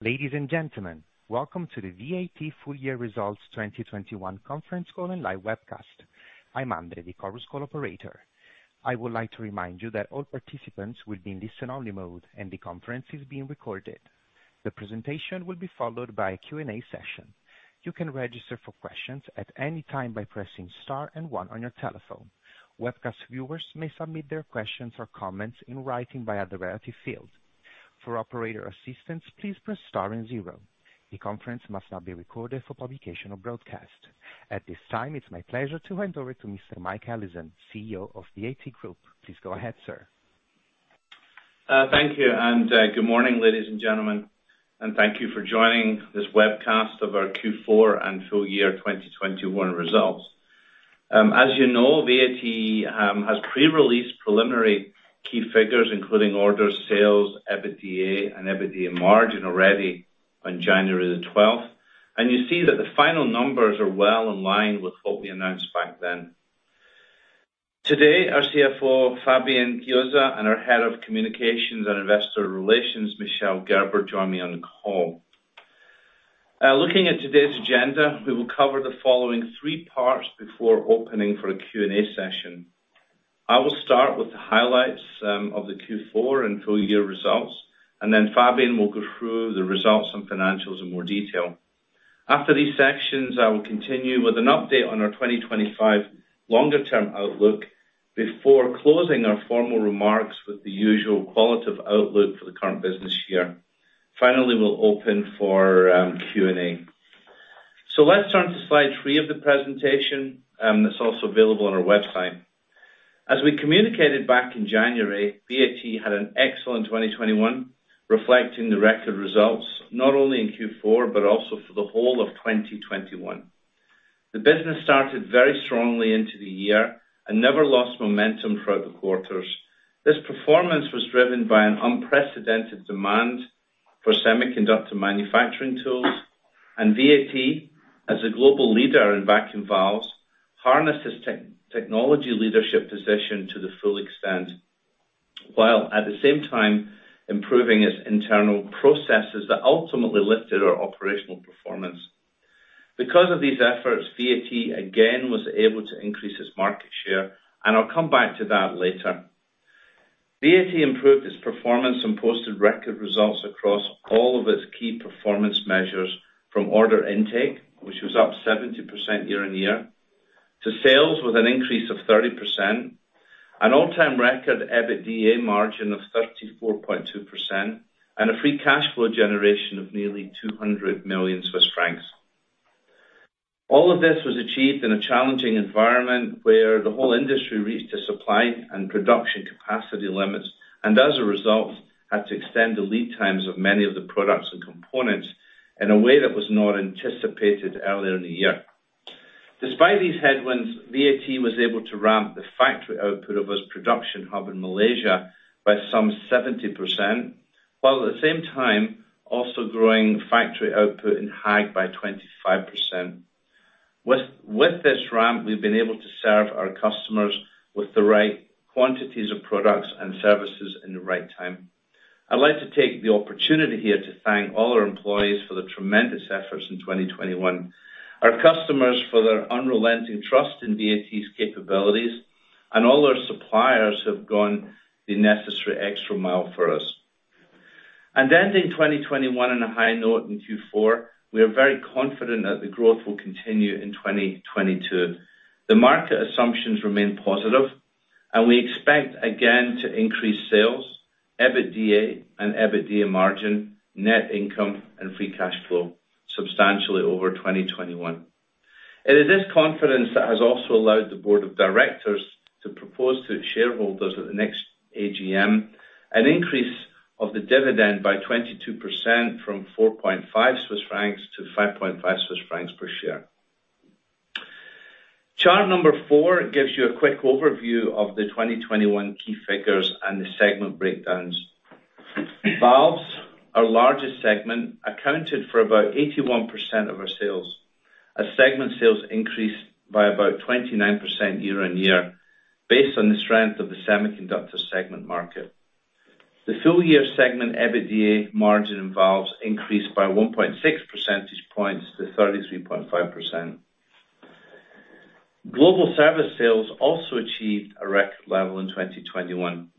Ladies and gentlemen, welcome to the VAT Full Year Results 2021 conference call and live webcast. I'm Andre, the Chorus Call operator. I would like to remind you that all participants will be in listen only mode, and the conference is being recorded. The presentation will be followed by a Q&A session. You can register for questions at any time by pressing Star and One on your telephone. Webcast viewers may submit their questions or comments in writing via the relative field. For operator assistance, please press Star and Zero. The conference must not be recorded for publication or broadcast. At this time, it's my pleasure to hand over to Mr. Mike Allison, CEO of VAT Group. Please go ahead, sir. Thank you, and good morning, ladies and gentlemen, and thank you for joining this webcast of our Q4 and full year 2021 results. As you know, VAT has pre-released preliminary key figures, including orders, sales, EBITDA and EBITDA margin already on January 12th. You see that the final numbers are well in line with what we announced back then. Today, our CFO, Fabian Chiozza, and our Head of Communications and Investor Relations, Michel Gerber, join me on the call. Looking at today's agenda, we will cover the following three parts before opening for a Q&A session. I will start with the highlights of the Q4 and full year 2021 results, and then Fabian will go through the results and financials in more detail. After these sections, I will continue with an update on our 2025 longer-term outlook before closing our formal remarks with the usual qualitative outlook for the current business year. Finally, we'll open for Q&A. Let's turn to slide 3 of the presentation, that's also available on our website. As we communicated back in January, VAT had an excellent 2021 reflecting the record results not only in Q4, but also for the whole of 2021. The business started very strongly into the year and never lost momentum throughout the quarters. This performance was driven by an unprecedented demand for semiconductor manufacturing tools. VAT, as a global leader in vacuum valves, harnesses technology leadership position to the full extent. While at the same time improving its internal processes that ultimately lifted our operational performance. Because of these efforts, VAT again was able to increase its market share, and I'll come back to that later. VAT improved its performance and posted record results across all of its key performance measures from order intake, which was up 70% year-on-year, to sales with an increase of 30%, an all-time record EBITDA margin of 34.2%, and a free cash flow generation of nearly 200 million Swiss francs. All of this was achieved in a challenging environment where the whole industry reached the supply and production capacity limits, and as a result, had to extend the lead times of many of the products and components in a way that was not anticipated earlier in the year. Despite these headwinds, VAT was able to ramp the factory output of its production hub in Malaysia by some 70%, while at the same time also growing factory output in Haag by 25%. With this ramp, we've been able to serve our customers with the right quantities of products and services in the right time. I'd like to take the opportunity here to thank all our employees for the tremendous efforts in 2021, our customers for their unrelenting trust in VAT's capabilities, and all our suppliers who have gone the necessary extra mile for us. Ending 2021 on a high note in Q4, we are very confident that the growth will continue in 2022. The market assumptions remain positive, and we expect again to increase sales, EBITDA and EBITDA margin, net income and free cash flow substantially over 2021. It is this confidence that has also allowed the board of directors to propose to its shareholders at the next AGM an increase of the dividend by 22% from 4.5-5.5 Swiss francs per share. Chart 4 gives you a quick overview of the 2021 key figures and the segment breakdowns. Valves, our largest segment, accounted for about 81% of our sales as segment sales increased by about 29% year-on-year based on the strength of the semiconductor segment market. The full year segment EBITDA margin in valves increased by 1.6 percentage points to 33.5%. Global Service sales also achieved a record level in 2021.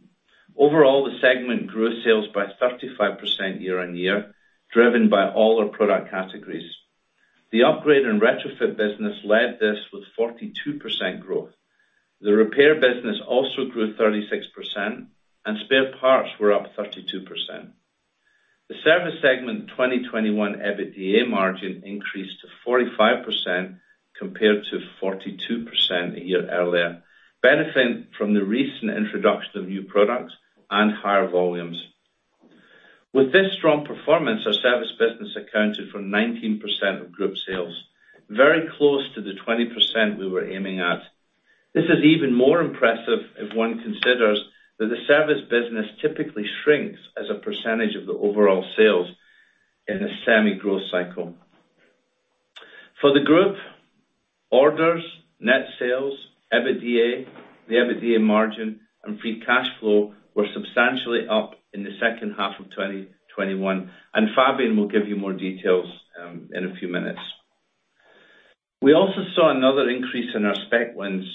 Overall, the segment grew sales by 35% year-on-year, driven by all our product categories. The upgrade and retrofit business led this with 42% growth. The repair business also grew 36%, and spare parts were up 32%. The Service segment 2021 EBITDA margin increased to 45% compared to 42% a year earlier, benefiting from the recent introduction of new products and higher volumes. With this strong performance, our service business accounted for 19% of group sales, very close to the 20% we were aiming at. This is even more impressive if one considers that the service business typically shrinks as a percentage of the overall sales in a semi growth cycle. For the group orders, net sales, EBITDA, the EBITDA margin, and free cash flow were substantially up in the second half of 2021, and Fabian will give you more details in a few minutes. We also saw another increase in our spec wins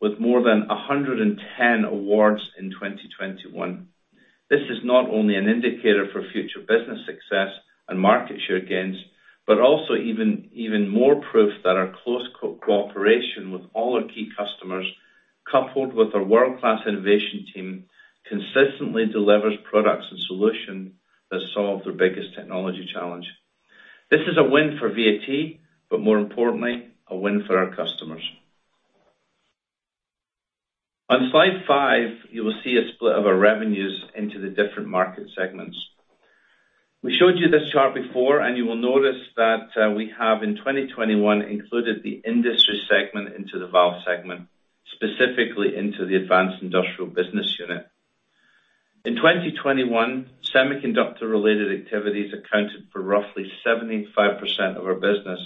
with more than 110 awards in 2021. This is not only an indicator for future business success and market share gains, but also even more proof that our close cooperation with all our key customers, coupled with our world-class innovation team, consistently delivers products and solutions that solve their biggest technology challenge. This is a win for VAT, but more importantly, a win for our customers. On slide five, you will see a split of our revenues into the different market segments. We showed you this chart before, and you will notice that we have, in 2021, included the industry segment into the valve segment, specifically into the Advanced Industrial business unit. In 2021, semiconductor related activities accounted for roughly 75% of our business,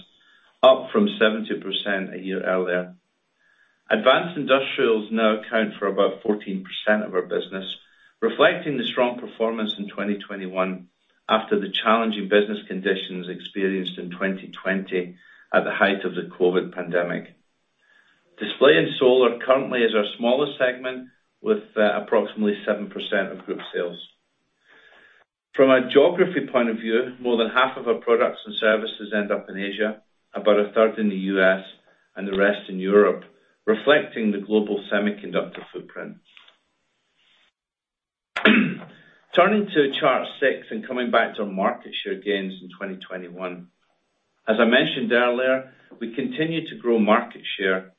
up from 70% a year earlier. Advanced Industrials now account for about 14% of our business, reflecting the strong performance in 2021 after the challenging business conditions experienced in 2020 at the height of the COVID pandemic. Display and Solar currently is our smallest segment, with approximately 7% of group sales. From a geography point of view, more than 1/2 of our products and services end up in Asia, about 1/3 in the U.S., and the rest in Europe, reflecting the global semiconductor footprint. Turning to chart six and coming back to our market share gains in 2021. As I mentioned earlier, we continue to grow market share.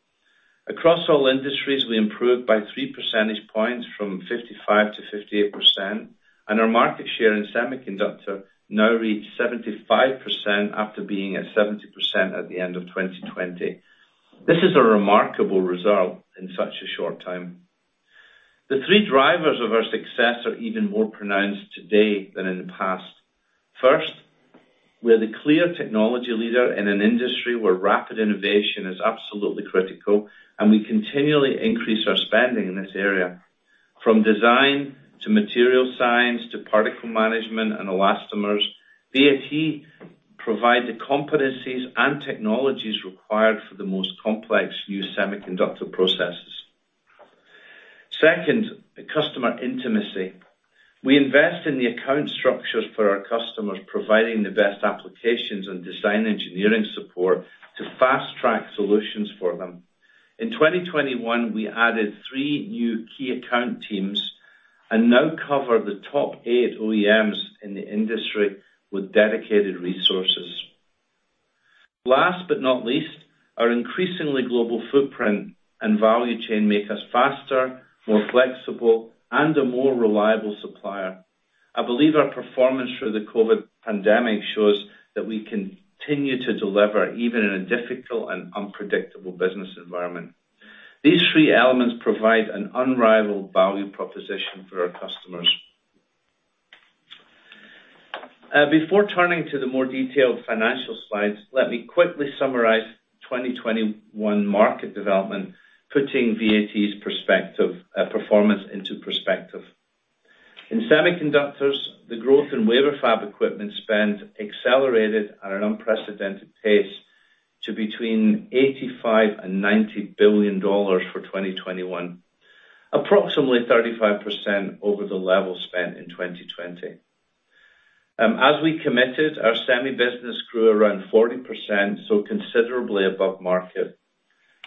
Across all industries, we improved by three percentage points from 55%-58%, and our market share in semiconductor now reached 75% after being at 70% at the end of 2020. This is a remarkable result in such a short time. The three drivers of our success are even more pronounced today than in the past. First, we're the clear technology leader in an industry where rapid innovation is absolutely critical, and we continually increase our spending in this area. From design to material science, to particle management and elastomers, VAT provide the competencies and technologies required for the most complex new semiconductor processes. Second, customer intimacy. We invest in the account structures for our customers, providing the best applications and design engineering support to fast-track solutions for them. In 2021, we added three new key account teams and now cover the top eight OEMs in the industry with dedicated resources. Last but not least, our increasingly global footprint and value chain make us faster, more flexible, and a more reliable supplier. I believe our performance through the COVID pandemic shows that we continue to deliver even in a difficult and unpredictable business environment. These three elements provide an unrivaled value proposition for our customers. Before turning to the more detailed financial slides, let me quickly summarize 2021 market development, putting VAT's perspective, performance into perspective. In semiconductors, the growth in wafer fab equipment spend accelerated at an unprecedented pace to between $85 billion and $90 billion for 2021, approximately 35% over the level spent in 2020. As we committed, our semi business grew around 40%, so considerably above market.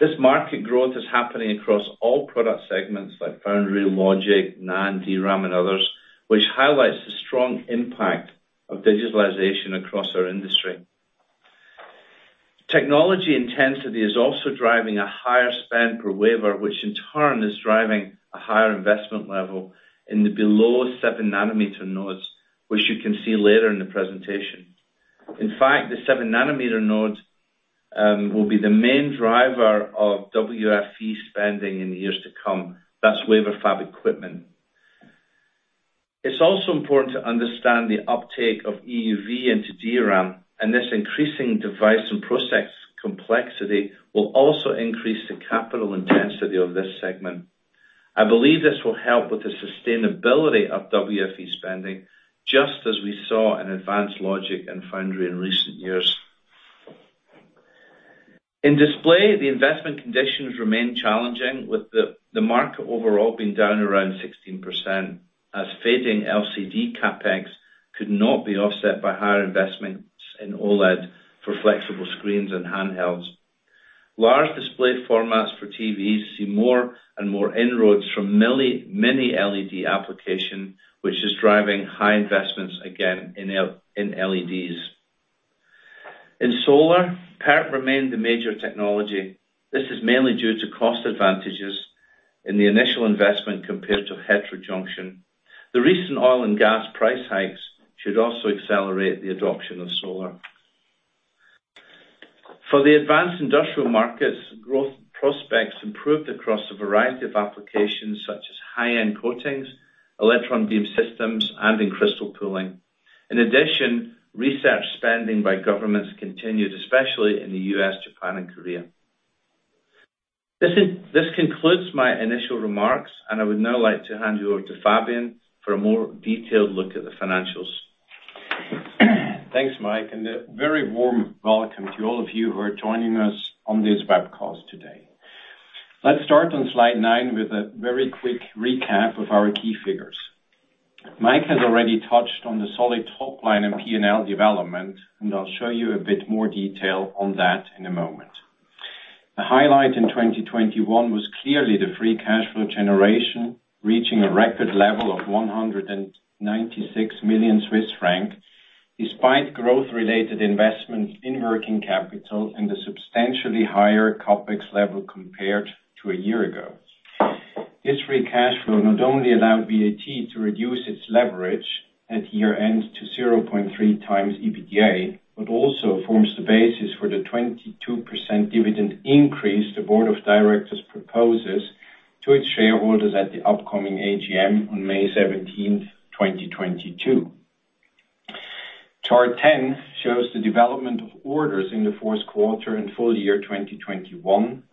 This market growth is happening across all product segments like Foundry, Logic, NAND, DRAM, and others, which highlights the strong impact of digitalization across our industry. Technology intensity is also driving a higher spend per wafer, which in turn is driving a higher investment level in the below 7-nm nodes, which you can see later in the presentation. In fact, the 7-nm nodes will be the main driver of WFE spending in years to come. That's wafer fab equipment. It's also important to understand the uptake of EUV into DRAM, and this increasing device and process complexity will also increase the capital intensity of this segment. I believe this will help with the sustainability of WFE spending, just as we saw in advanced logic and foundry in recent years. In display, the investment conditions remain challenging, with the market overall being down around 16% as fading LCD CapEx could not be offset by higher investments in OLED for flexible screens and handhelds. Large display formats for TVs see more and more inroads from mini LED application, which is driving high investments again in LEDs. In solar, PERC remained the major technology. This is mainly due to cost advantages in the initial investment compared to heterojunction. The recent oil and gas price hikes should also accelerate the adoption of solar. For the Advanced Industrials markets, growth prospects improved across a variety of applications such as high-end coatings, electron beam systems, and in crystal pulling. In addition, research spending by governments continued, especially in the U.S., Japan, and Korea. This concludes my initial remarks, and I would now like to hand you over to Fabian for a more detailed look at the financials. Thanks, Mike, and a very warm welcome to all of you who are joining us on this web call today. Let's start on slide 9 with a very quick recap of our key figures. Mike has already touched on the solid top line and P&L development, and I'll show you a bit more detail on that in a moment. The highlight in 2021 was clearly the free cash flow generation, reaching a record level of 196 million Swiss francs, despite growth-related investments in working capital and a substantially higher CapEx level compared to a year ago. This free cash flow not only allowed VAT to reduce its leverage at year-end to 0.3x EBITDA, but also forms the basis for the 22% dividend increase the board of directors proposes to its shareholders at the upcoming AGM on May 17, 2022. Chart 10 shows the development of orders in the fourth quarter and full year 2021,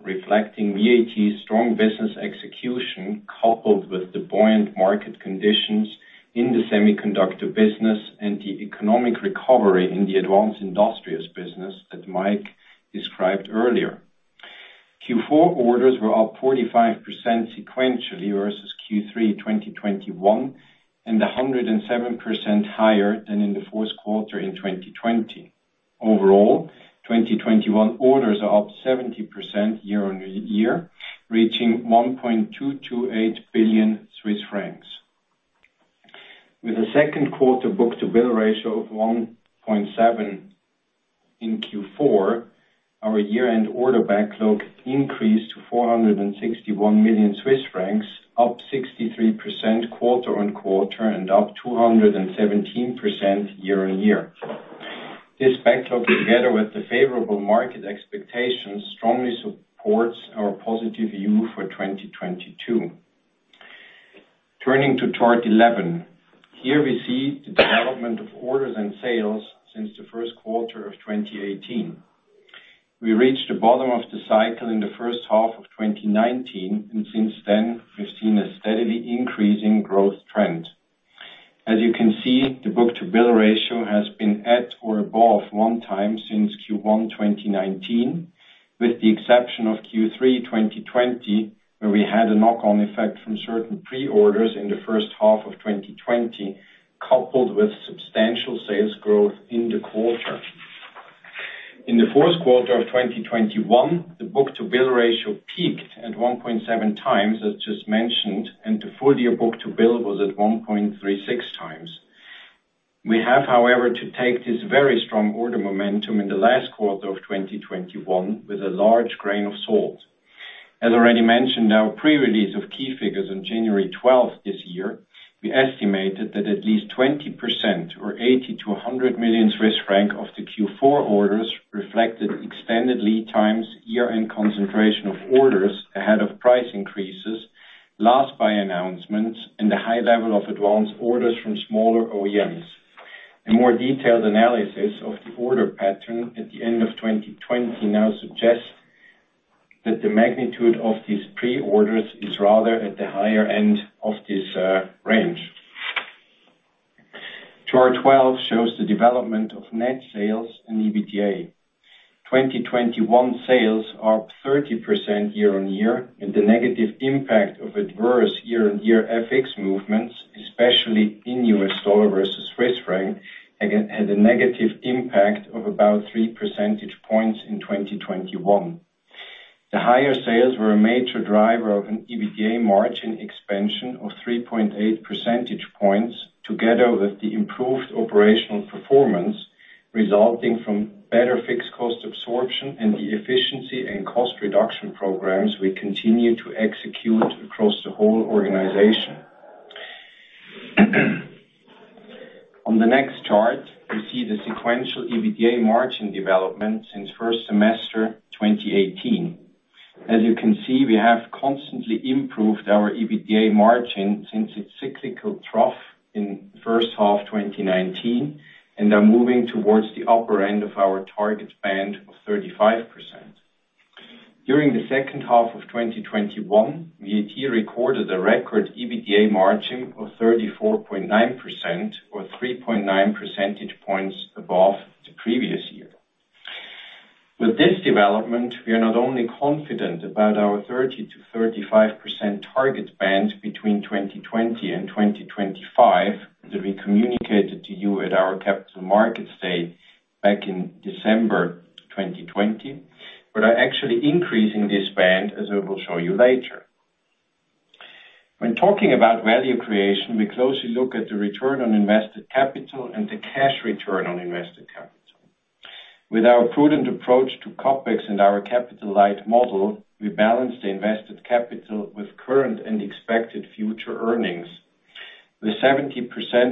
reflecting VAT's strong business execution, coupled with the buoyant market conditions in the semiconductor business and the economic recovery in the Advanced Industrials business that Mike described earlier. Q4 orders were up 45% sequentially versus Q3 2021, and 107% higher than in the fourth quarter in 2020. Overall, 2021 orders are up 70% year on year, reaching 1.228 billion Swiss francs. With a book-to-bill ratio of 1.7 in Q4, our year-end order backlog increased to 461 million Swiss francs, up 63% quarter on quarter and up 217% year on year. This backlog, together with the favorable market expectations, strongly supports our positive view for 2022. Turning to chart 11. Here we see the development of orders and sales since the first quarter of 2018. We reached the bottom of the cycle in the first half of 2019, and since then, we've seen a steadily increasing growth trend. As you can see, the book-to-bill ratio has been at or above 1x since Q1 2019, with the exception of Q3 2020, where we had a knock-on effect from certain pre-orders in the first half of 2020, coupled with substantial sales growth in the quarter. In the fourth quarter of 2021, the book-to-bill ratio peaked at 1.7x, as just mentioned, and the full-year book-to-bill was at 1.36x. We have, however, to take this very strong order momentum in the last quarter of 2021 with a large grain of salt. As already mentioned, our pre-release of key figures on January 12 this year, we estimated that at least 20% or 80 million-100 million Swiss francs of the Q4 orders reflected extended lead times, year-end concentration of orders ahead of price increases, last-buy announcements, and a high level of advanced orders from smaller OEMs. A more detailed analysis of the order pattern at the end of 2020 now suggests that the magnitude of these pre-orders is rather at the higher end of this range. Chart 12 shows the development of net sales and EBITDA. 2021 sales are up 30% year-on-year, and the negative impact of adverse year-on-year FX movements, especially in U.S. dollar versus Swiss franc, had a negative impact of about 3 percentage points in 2021. The higher sales were a major driver of an EBITDA margin expansion of 3.8 percentage points, together with the improved operational performance resulting from better fixed cost absorption and the efficiency and cost reduction programs we continue to execute across the whole organization. On the next chart, we see the sequential EBITDA margin development since first semester 2018. As you can see, we have constantly improved our EBITDA margin since its cyclical trough in the first half of 2019, and are moving towards the upper end of our target band of 35%. During the second half of 2021, VAT recorded a record EBITDA margin of 34.9% or 3.9 percentage points above the previous year. With this development, we are not only confident about our 30%-35% target band between 2020 and 2025 that we communicated to you at our Capital Markets Day back in December 2020, but are actually increasing this band, as I will show you later. When talking about value creation, we closely look at the return on invested capital and the cash return on invested capital. With our prudent approach to CapEx and our capital-light model, we balance the invested capital with current and expected future earnings. With 70%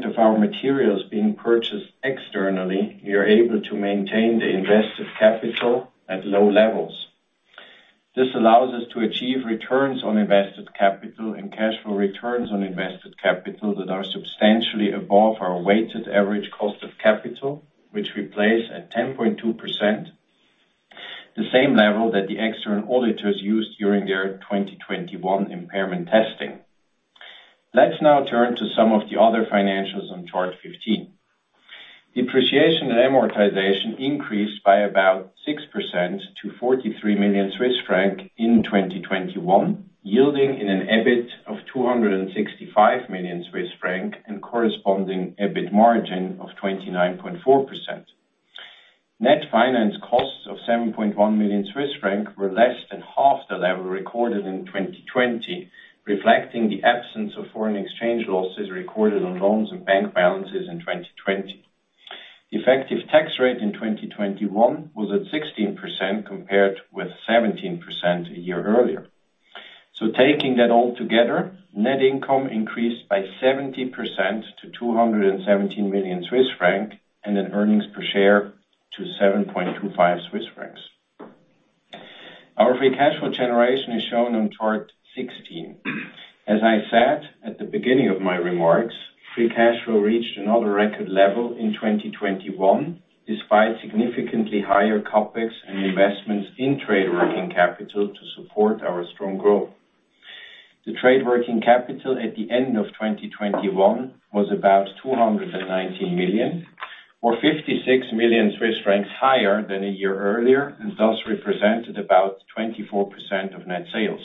of our materials being purchased externally, we are able to maintain the invested capital at low levels. This allows us to achieve returns on invested capital and cash flow returns on invested capital that are substantially above our weighted average cost of capital, which we place at 10.2%, the same level that the external auditors used during their 2021 impairment testing. Let's now turn to some of the other financials on chart 15. Depreciation and amortization increased by about 6% to 43 million Swiss francs in 2021, yielding an EBIT of 265 million Swiss francs and corresponding EBIT margin of 29.4%. Net finance costs of 7.1 million Swiss francs were less than half the level recorded in 2020, reflecting the absence of foreign exchange losses recorded on loans and bank balances in 2020. Effective tax rate in 2021 was at 16% compared with 17% a year earlier. Taking that all together, net income increased by 70% to 217 million Swiss francs, and then earnings per share to 7.25 Swiss francs. Our free cash flow generation is shown on chart 16. As I said at the beginning of my remarks, free cash flow reached another record level in 2021, despite significantly higher CapEx and investments in trade working capital to support our strong growth. The trade working capital at the end of 2021 was about 219 million or 56 million Swiss francs higher than a year earlier, and thus represented about 24% of net sales.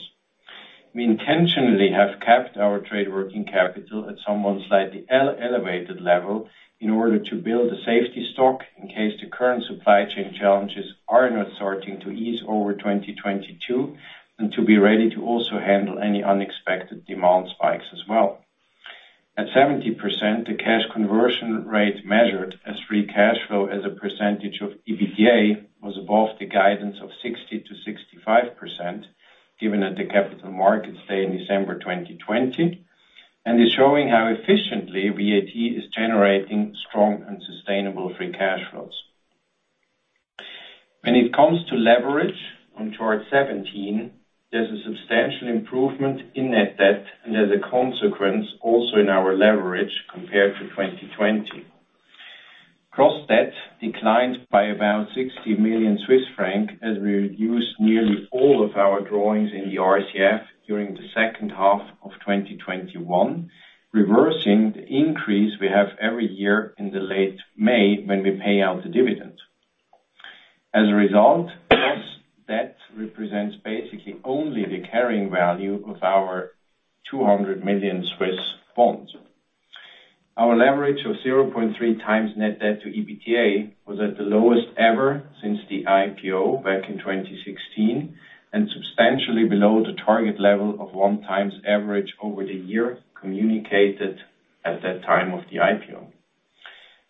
We intentionally have kept our trade working capital at somewhat slightly elevated level in order to build a safety stock in case the current supply chain challenges are not starting to ease over 2022 and to be ready to also handle any unexpected demand spikes as well. At 70%, the cash conversion rate measured as free cash flow as a percentage of EBITDA was above the guidance of 60%-65% given at the Capital Markets Day in December 2020, and is showing how efficiently VAT is generating strong and sustainable free cash flows. When it comes to leverage on chart 17, there's a substantial improvement in net debt and as a consequence, also in our leverage compared to 2020. Gross debt declined by about 60 million Swiss francs as we reduced nearly all of our drawings in the RCF during the second half of 2021, reversing the increase we have every year in late May when we pay out the dividend. As a result, gross debt represents basically only the carrying value of our 200 million. Our leverage of 0.3x net debt to EBITDA was at the lowest ever since the IPO back in 2016, and substantially below the target level of 1x average over the year communicated at that time of the IPO.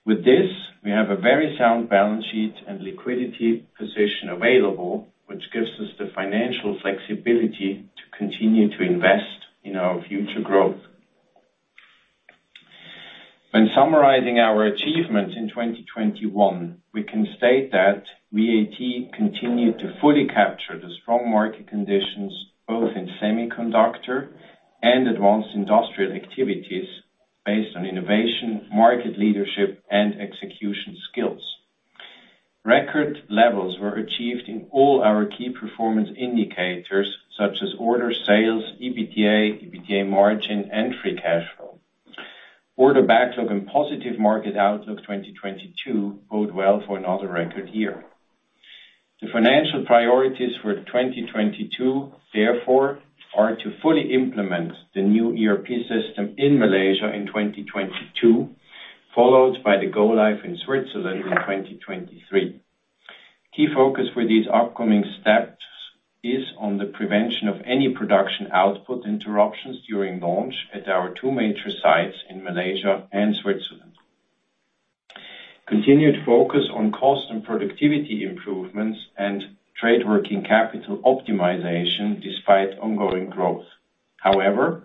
With this, we have a very sound balance sheet and liquidity position available, which gives us the financial flexibility to continue to invest in our future growth. When summarizing our achievements in 2021, we can state that VAT continued to fully capture the strong market conditions, both in semiconductor and advanced industrial activities based on innovation, market leadership, and execution skills. Record levels were achieved in all our key performance indicators such as order sales, EBITDA margin, and free cash flow. Order backlog and positive market outlook 2022 bode well for another record year. The financial priorities for 2022, therefore, are to fully implement the new ERP system in Malaysia in 2022, followed by the go live in Switzerland in 2023. Key focus for these upcoming steps is on the prevention of any production output interruptions during launch at our two major sites in Malaysia and Switzerland. Continued focus on cost and productivity improvements and trade working capital optimization despite ongoing growth. However,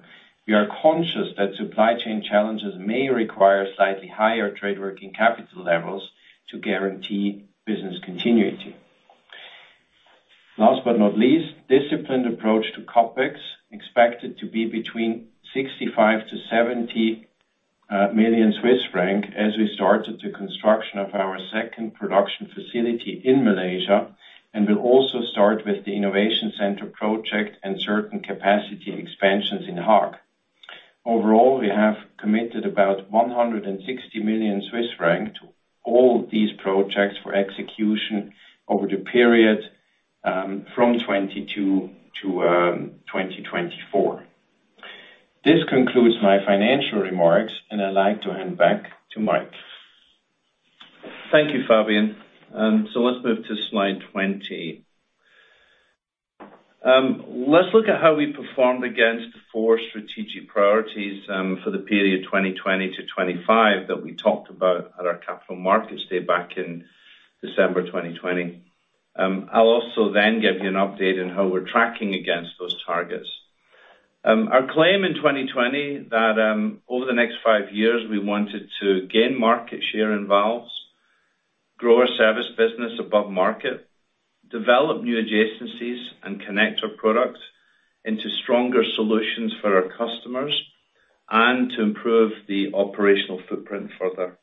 we are conscious that supply chain challenges may require slightly higher trade working capital levels to guarantee business continuity. Last but not least, disciplined approach to CapEx expected to be between 65 million-70 million Swiss francs as we started the construction of our second production facility in Malaysia and will also start with the innovation center project and certain capacity expansions in Haag. Overall, we have committed about 160 million Swiss francs to all these projects for execution over the period from 2022 to 2024. This concludes my financial remarks, and I'd like to hand back to Mike. Thank you, Fabian. Let's move to slide 20. Let's look at how we performed against the four strategic priorities for the period 2020 to 2025 that we talked about at our Capital Markets Day back in December 2020. I'll also then give you an update on how we're tracking against those targets. Our claim in 2020 that over the next 5 years, we wanted to gain market share in valves, grow our service business above market, develop new adjacencies, and connect our products into stronger solutions for our customers, and to improve the operational footprint further.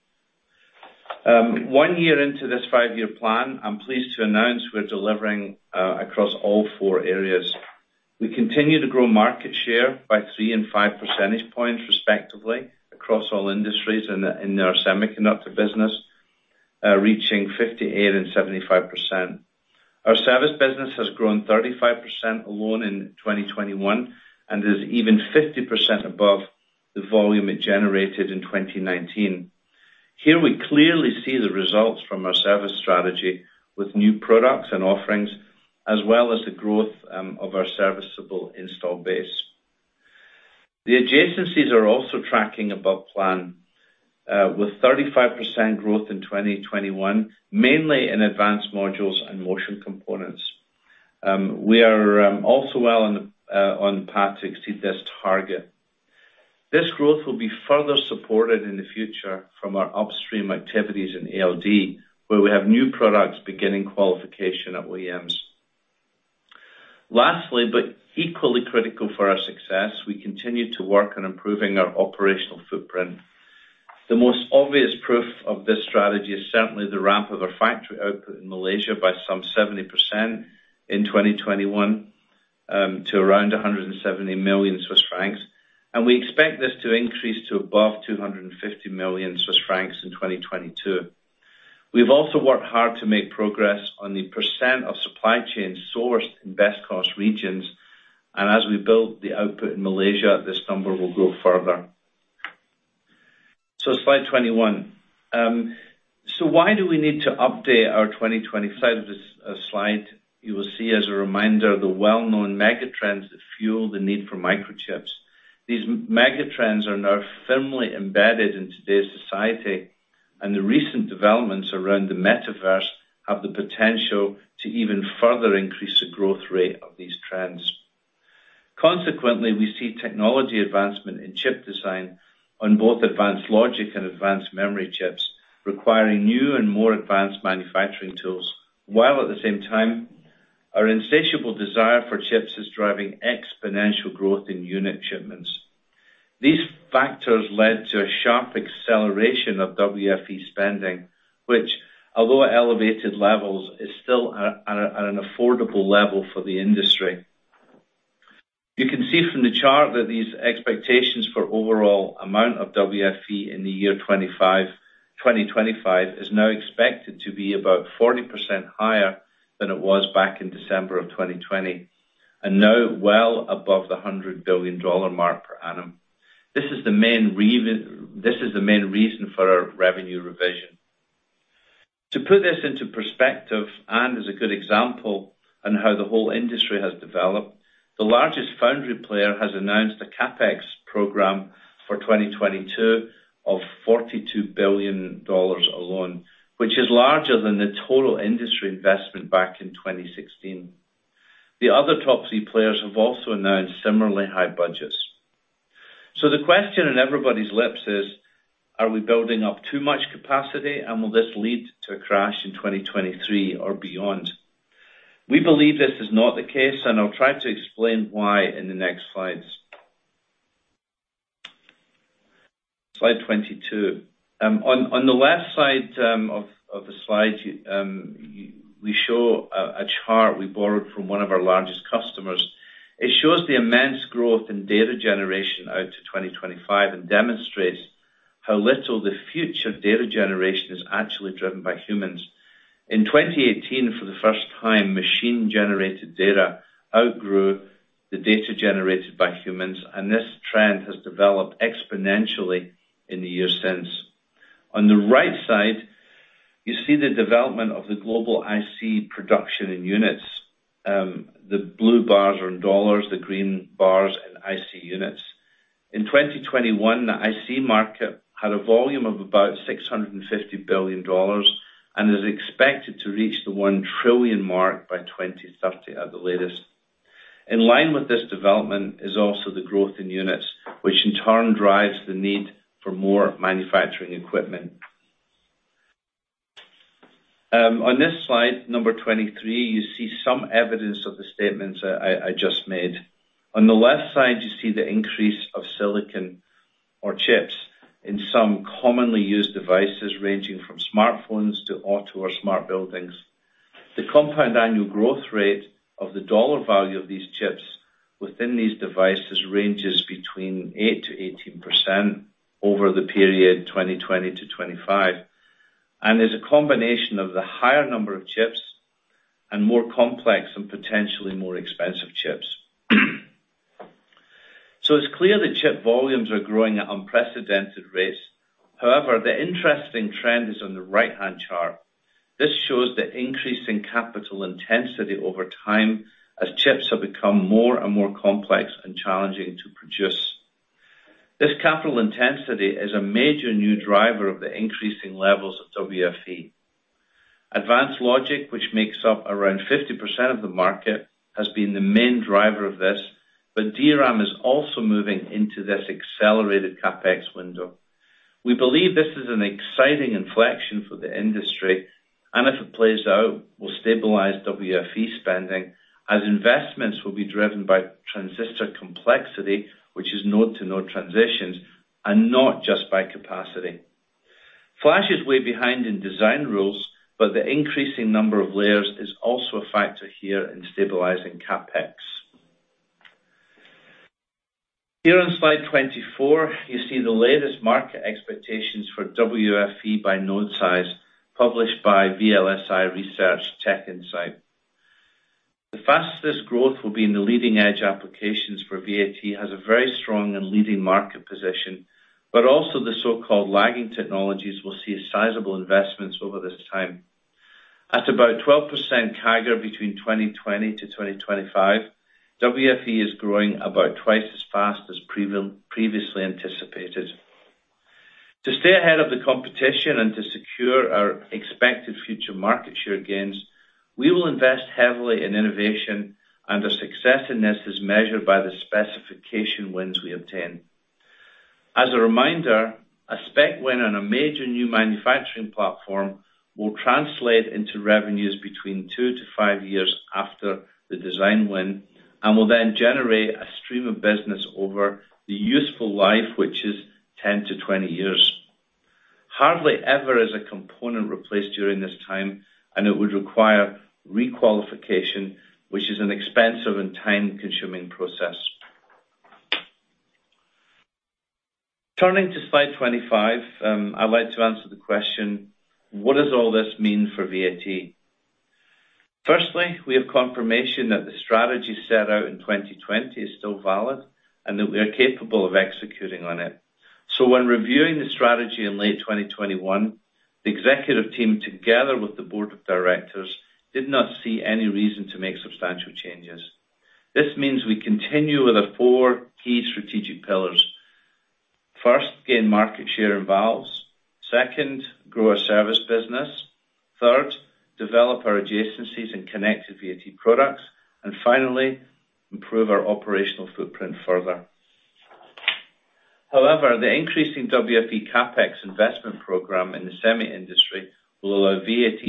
One year into this 5-year plan, I'm pleased to announce we're delivering across all four areas. We continue to grow market share by 3 and 5 percentage points respectively across all industries in our semiconductor business, reaching 58% and 75%. Our service business has grown 35% alone in 2021, and is even 50% above the volume it generated in 2019. Here we clearly see the results from our service strategy with new products and offerings, as well as the growth of our serviceable install base. The adjacencies are also tracking above plan with 35% growth in 2021, mainly in advanced modules and motion components. We are also well on path to exceed this target. This growth will be further supported in the future from our upstream activities in ALD, where we have new products beginning qualification at Williams. Lastly, but equally critical for our success, we continue to work on improving our operational footprint. The most obvious proof of this strategy is certainly the ramp of our factory output in Malaysia by some 70% in 2021 to around 170 million Swiss francs. We expect this to increase to above 250 million Swiss francs in 2022. We've also worked hard to make progress on the percent of supply chain sourced in best cost regions, and as we build the output in Malaysia, this number will grow further. Slide 21. Why do we need to update our 2020 slide? This slide you will see as a reminder the well-known megatrends that fuel the need for microchips. These megatrends are now firmly embedded in today's society, and the recent developments around the Metaverse have the potential to even further increase the growth rate of these trends. Consequently, we see technology advancement in chip design on both advanced logic and advanced memory chips, requiring new and more advanced manufacturing tools. While at the same time, our insatiable desire for chips is driving exponential growth in unit shipments. These factors led to a sharp acceleration of WFE spending, which, although at elevated levels, is still at an affordable level for the industry. You can see from the chart that these expectations for overall amount of WFE in the year 2025 is now expected to be about 40% higher than it was back in December of 2020, and now well above the $100 billion mark per annum. This is the main reason for our revenue revision. To put this into perspective, and as a good example on how the whole industry has developed, the largest Foundry player has announced a CapEx program for 2022 of $42 billion alone, which is larger than the total industry investment back in 2016. The other top three players have also announced similarly high budgets. The question on everybody's lips is: Are we building up too much capacity, and will this lead to a crash in 2023 or beyond? We believe this is not the case, and I'll try to explain why in the next slides. Slide 22. On the left side of the slide, we show a chart we borrowed from one of our largest customers. It shows the immense growth in data generation out to 2025, and demonstrates how little the future data generation is actually driven by humans. In 2018, for the first time, machine-generated data outgrew the data generated by humans, and this trend has developed exponentially in the years since. On the right side, you see the development of the global IC production in units. The blue bars are in dollars, the green bars in IC units. In 2021, the IC market had a volume of about $650 billion, and is expected to reach the $1 trillion mark by 2030 at the latest. In line with this development is also the growth in units, which in turn drives the need for more manufacturing equipment. On this slide 23, you see some evidence of the statements I just made. On the left side, you see the increase of silicon or chips in some commonly used devices, ranging from smartphones to auto or smart buildings. The compound annual growth rate of the dollar value of these chips within these devices ranges between 8%-18% over the period 2020-2025. It is a combination of the higher number of chips and more complex and potentially more expensive chips. It's clear the chip volumes are growing at unprecedented rates. However, the interesting trend is on the right-hand chart. This shows the increase in capital intensity over time as chips have become more and more complex and challenging to produce. This capital intensity is a major new driver of the increasing levels of WFE. Advanced logic, which makes up around 50% of the market, has been the main driver of this. DRAM is also moving into this accelerated CapEx window. We believe this is an exciting inflection for the industry, and if it plays out, will stabilize WFE spending as investments will be driven by transistor complexity, which is node-to-node transitions, and not just by capacity. Flash is way behind in design rules, but the increasing number of layers is also a factor here in stabilizing CapEx. Here on slide 24, you see the latest market expectations for WFE by node size, published by VLSI Research, TechInsights. The fastest growth will be in the leading-edge applications for VAT has a very strong and leading market position, but also the so-called lagging technologies will see sizable investments over this time. At about 12% CAGR between 2020-2025, WFE is growing about twice as fast as previously anticipated. To stay ahead of the competition and to secure our expected future market share gains, we will invest heavily in innovation, and our success in this is measured by the specification wins we obtain. As a reminder, a spec win on a major new manufacturing platform will translate into revenues between 2-5 years after the design win, and will then generate a stream of business over the useful life, which is 10-20 years. Hardly ever is a component replaced during this time, and it would require re-qualification, which is an expensive and time-consuming process. Turning to slide 25, I'd like to answer the question: what does all this mean for VAT? Firstly, we have confirmation that the strategy set out in 2020 is still valid, and that we are capable of executing on it. When reviewing the strategy in late 2021, the Executive Team, together with the Board of Directors, did not see any reason to make substantial changes. This means we continue with the four key strategic pillars. First, gain market share in Valves. Second, grow our Service business. Third, develop our adjacencies and Connected VAT products. And finally, improve our operational footprint further. However, the increase in WFE CapEx investment program in the semi industry will allow VAT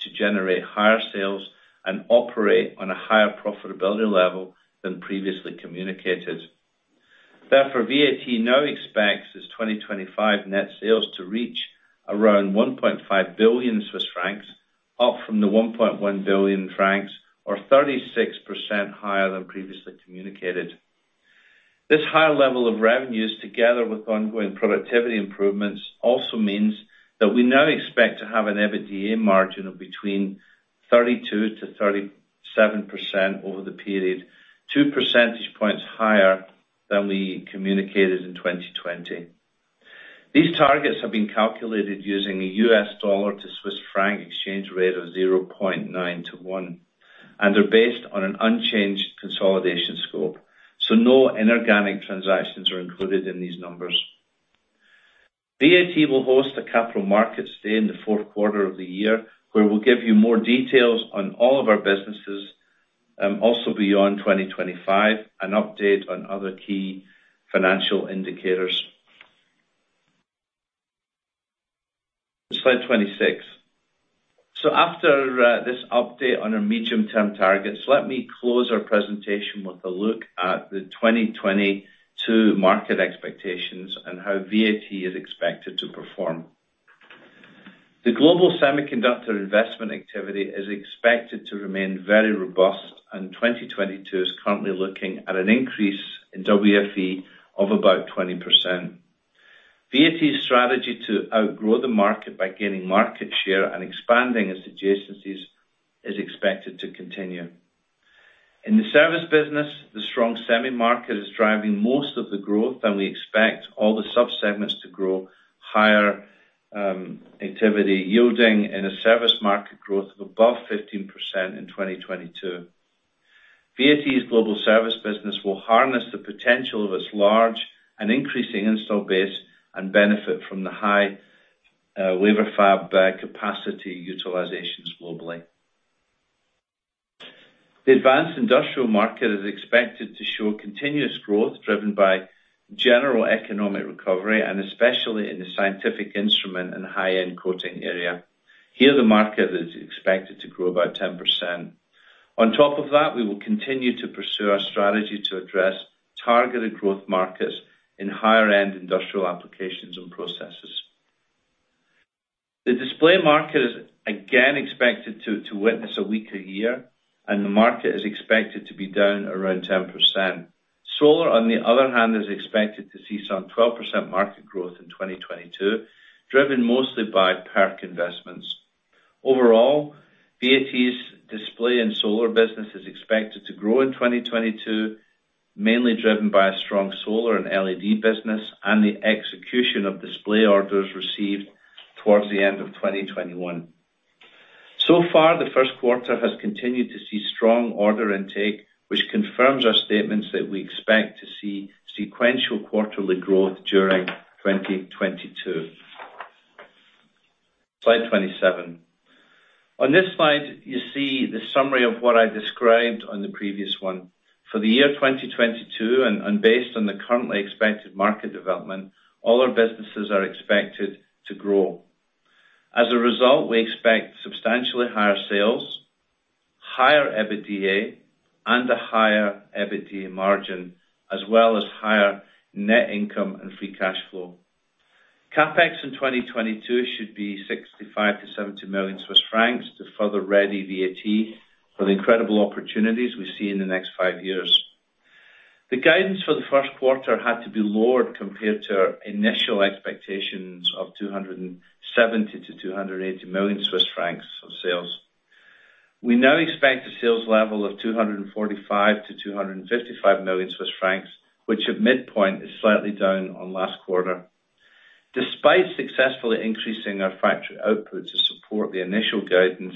to generate higher sales and operate on a higher profitability level than previously communicated. Therefore, VAT now expects its 2025 net sales to reach around 1.5 billion Swiss francs, up from 1.1 billion francs, or 36% higher than previously communicated. This higher level of revenues, together with ongoing productivity improvements, also means that we now expect to have an EBITDA margin of between 32%-37% over the period, two percentage points higher than we communicated in 2020. These targets have been calculated using a U.S. dollar to Swiss franc exchange rate of 0.9 to 1, and they're based on an unchanged consolidation scope, so no inorganic transactions are included in these numbers. VAT will host a Capital Markets Day in the fourth quarter of the year, where we'll give you more details on all of our businesses also beyond 2025, an update on other key financial indicators. Slide 26. After this update on our medium-term targets, let me close our presentation with a look at the 2022 market expectations and how VAT is expected to perform. The global semiconductor investment activity is expected to remain very robust, and 2022 is currently looking at an increase in WFE of about 20%. VAT's strategy to outgrow the market by gaining market share and expanding its adjacencies is expected to continue. In the service business, the strong semi market is driving most of the growth, and we expect all the sub-segments to grow higher activity, yielding in a service market growth of above 15% in 2022. VAT's Global Service business will harness the potential of its large and increasing install base and benefit from the high wafer fab capacity utilizations globally. The Advanced Industrials market is expected to show continuous growth driven by general economic recovery and especially in the scientific instrument and high-end coating area. Here, the market is expected to grow about 10%. On top of that, we will continue to pursue our strategy to address targeted growth markets in higher-end industrial applications and processes. The display market is again expected to witness a weaker year, and the market is expected to be down around 10%. Solar, on the other hand, is expected to see some 12% market growth in 2022, driven mostly by PERC investments. Overall, VAT's display and solar business is expected to grow in 2022, mainly driven by a strong Solar and LED business and the execution of display orders received towards the end of 2021. So far, the first quarter has continued to see strong order intake, which confirms our statements that we expect to see sequential quarterly growth during 2022. Slide 27. On this slide, you see the summary of what I described on the previous one. For the year 2022 and based on the currently expected market development, all our businesses are expected to grow. As a result, we expect substantially higher sales, higher EBITDA, and a higher EBITDA margin, as well as higher net income and free cash flow. CapEx in 2022 should be 65 million-70 million Swiss francs to further ready VAT for the incredible opportunities we see in the next five years. The guidance for the first quarter had to be lowered compared to our initial expectations of 270 million-280 million Swiss francs of sales. We now expect a sales level of 245 million-255 million Swiss francs, which at midpoint is slightly down on last quarter. Despite successfully increasing our factory output to support the initial guidance,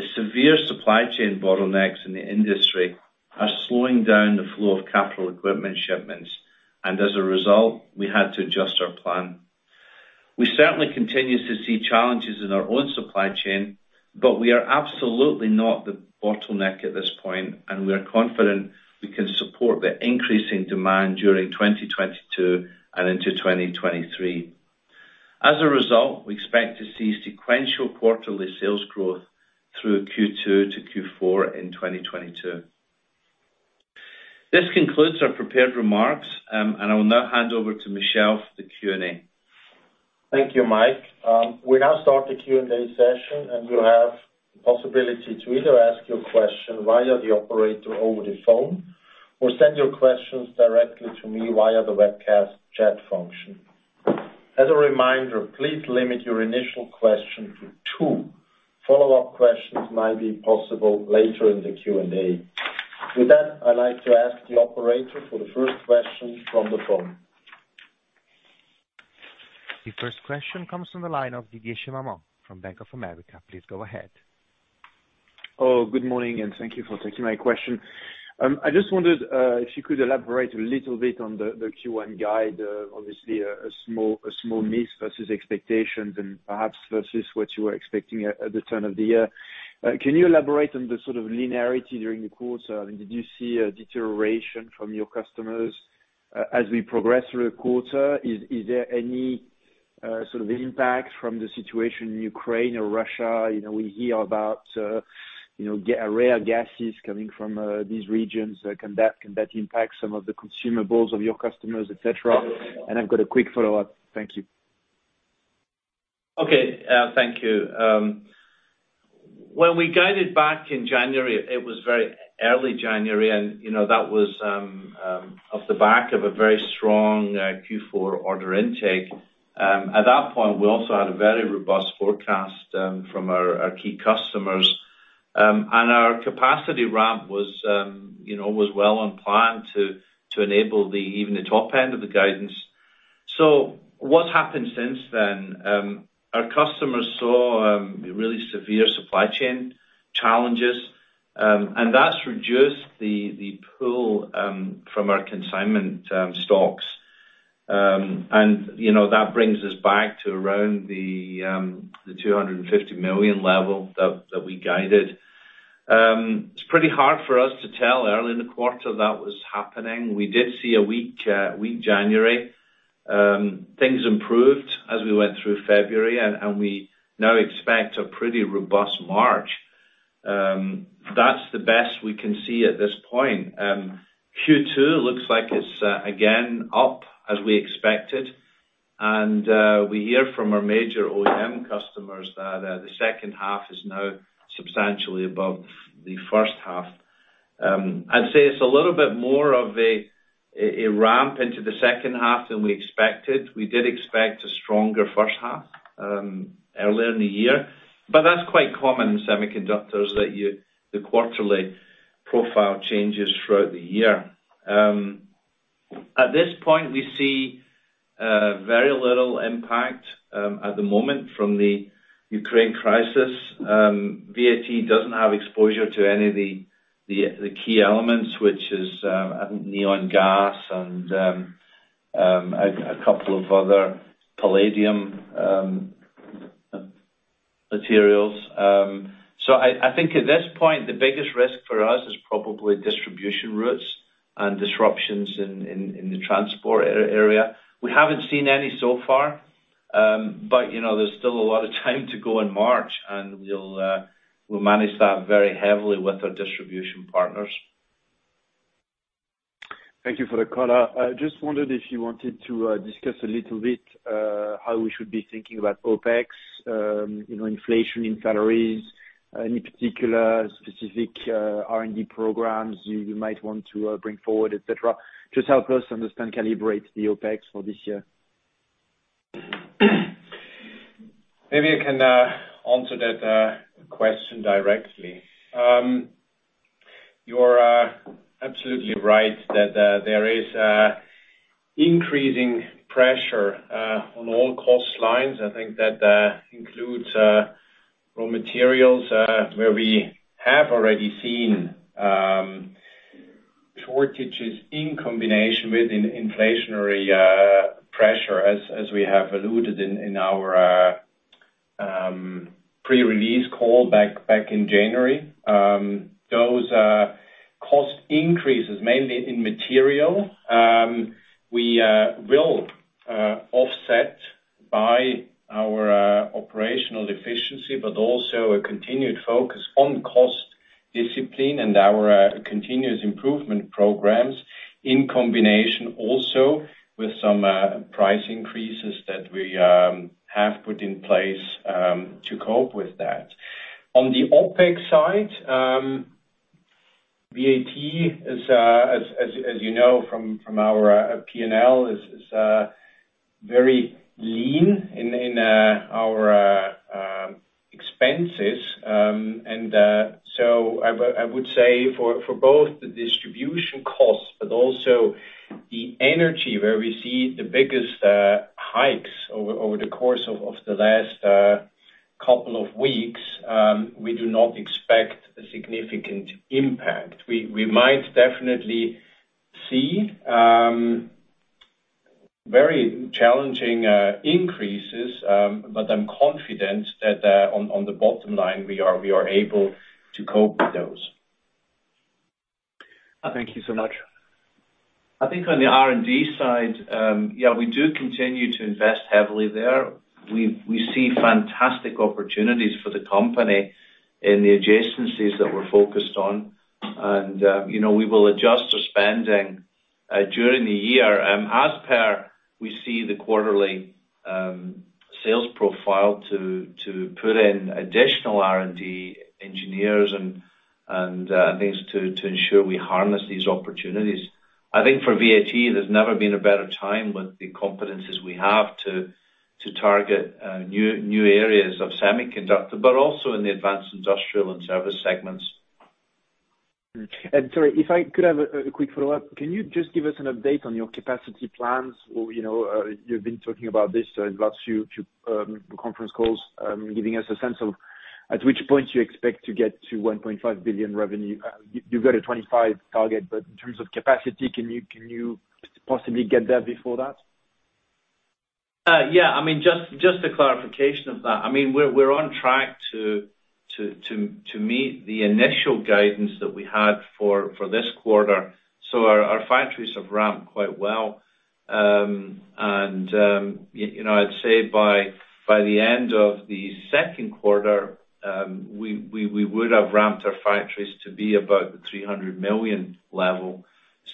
the severe supply chain bottlenecks in the industry are slowing down the flow of capital equipment shipments, and as a result, we had to adjust our plan. We certainly continue to see challenges in our own supply chain, but we are absolutely not the bottleneck at this point, and we are confident we can support the increasing demand during 2022 and into 2023. As a result, we expect to see sequential quarterly sales growth through Q2 to Q4 in 2022. This concludes our prepared remarks, and I will now hand over to Michel for the Q&A. Thank you, Mike. We now start the Q&A session, and you have the possibility to either ask your question via the operator over the phone or send your questions directly to me via the webcast chat function. As a reminder, please limit your initial question to two. Follow-up questions might be possible later in the Q&A. With that, I'd like to ask the operator for the first question from the phone. The first question comes from the line of Didier Scemama from Bank of America. Please go ahead. Good morning, and thank you for taking my question. I just wondered if you could elaborate a little bit on the Q1 guide. Obviously a small miss versus expectations and perhaps versus what you were expecting at the turn of the year. Can you elaborate on the sort of linearity during the quarter? I mean, did you see a deterioration from your customers as we progress through the quarter? Is there any sort of impact from the situation in Ukraine or Russia? You know, we hear about you know, rare gases coming from these regions. Can that impact some of the consumables of your customers, et cetera? I've got a quick follow-up. Thank you. Okay. Thank you. When we guided back in January, it was very early January and, you know, that was off the back of a very strong Q4 order intake. At that point, we also had a very robust forecast from our key customers. Our capacity ramp was, you know, well on plan to enable even the top end of the guidance. What's happened since then, our customers saw really severe supply chain challenges, and that's reduced the pull from our consignment stocks. You know, that brings us back to around the 250 million level that we guided. It's pretty hard for us to tell early in the quarter that was happening. We did see a weak January. Things improved as we went through February, and we now expect a pretty robust March. That's the best we can see at this point. Q2 looks like it's again up as we expected and we hear from our major OEM customers that the second half is now substantially above the first half. I'd say it's a little bit more of a ramp into the second half than we expected. We did expect a stronger first half earlier in the year, but that's quite common in semiconductors that the quarterly profile changes throughout the year. At this point, we see very little impact at the moment from the Ukraine crisis. VAT doesn't have exposure to any of the key elements, which is, I think neon gas and a couple of other palladium materials. I think at this point, the biggest risk for us is probably distribution routes and disruptions in the transport area. We haven't seen any so far, but you know, there's still a lot of time to go in March, and we'll manage that very heavily with our distribution partners. Thank you for the color. I just wondered if you wanted to discuss a little bit how we should be thinking about OpEx, you know, inflation in salaries, any particular specific R&D programs you might want to bring forward, et cetera. Just help us understand, calibrate the OpEx for this year. Maybe I can answer that question directly. You're absolutely right that there is increasing pressure on all cost lines. I think that includes raw materials, where we have already seen shortages in combination with inflationary pressure as we have alluded in our pre-release call back in January. Those cost increases, mainly in material, we will offset by our operational efficiency, but also a continued focus on cost discipline and our continuous improvement programs in combination also with some price increases that we have put in place to cope with that. On the OpEx side, VAT is, as you know from our P&L, very lean in our expenses. I would say for both the distribution costs, but also the energy where we see the biggest hikes over the course of the last couple of weeks, we do not expect a significant impact. We might definitely see very challenging increases, but I'm confident that on the bottom line we are able to cope with those. Thank you so much. I think on the R&D side, yeah, we do continue to invest heavily there. We see fantastic opportunities for the company in the adjacencies that we're focused on. You know, we will adjust our spending during the year, as we see the quarterly sales profile to put in additional R&D engineers and things to ensure we harness these opportunities. I think for VAT, there's never been a better time with the competencies we have to target new areas of semiconductor, but also in the Advanced Industrials and service segments. Sorry, if I could have a quick follow-up. Can you just give us an update on your capacity plans? You know, you've been talking about this in the last few conference calls, giving us a sense of at which point do you expect to get to 1.5 billion revenue. You've got a 2025 target, but in terms of capacity, can you possibly get there before that? Yeah. I mean, just a clarification of that. I mean, we're on track to meet the initial guidance that we had for this quarter. Our factories have ramped quite well. You know, I'd say by the end of the second quarter, we would have ramped our factories to be about the 300 million level.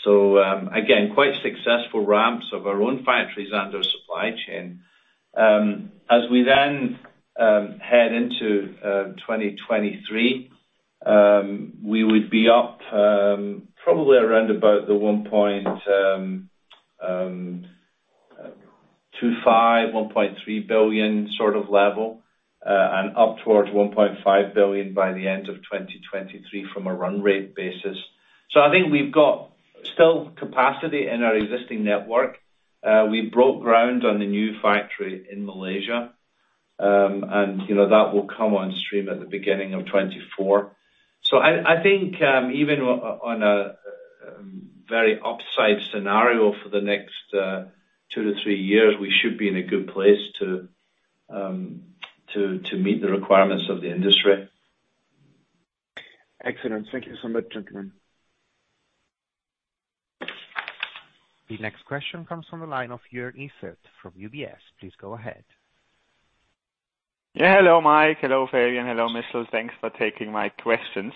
So again, quite successful ramps of our own factories and our supply chain. As we then head into 2023, we would be up probably around about the 1.25 billion, 1.3 billion sort of level, and up towards 1.5 billion by the end of 2023 from a run rate basis. I think we've got still capacity in our existing network. We broke ground on the new factory in Malaysia. You know, that will come on stream at the beginning of 2024. I think, even on a very upside scenario for the next 2-3 years, we should be in a good place to meet the requirements of the industry. Excellent. Thank you so much, gentlemen. The next question comes from the line of Joern Iffert from UBS. Please go ahead. Yeah. Hello, Mike. Hello, Fabian. Hello, Michell. Thanks for taking my questions.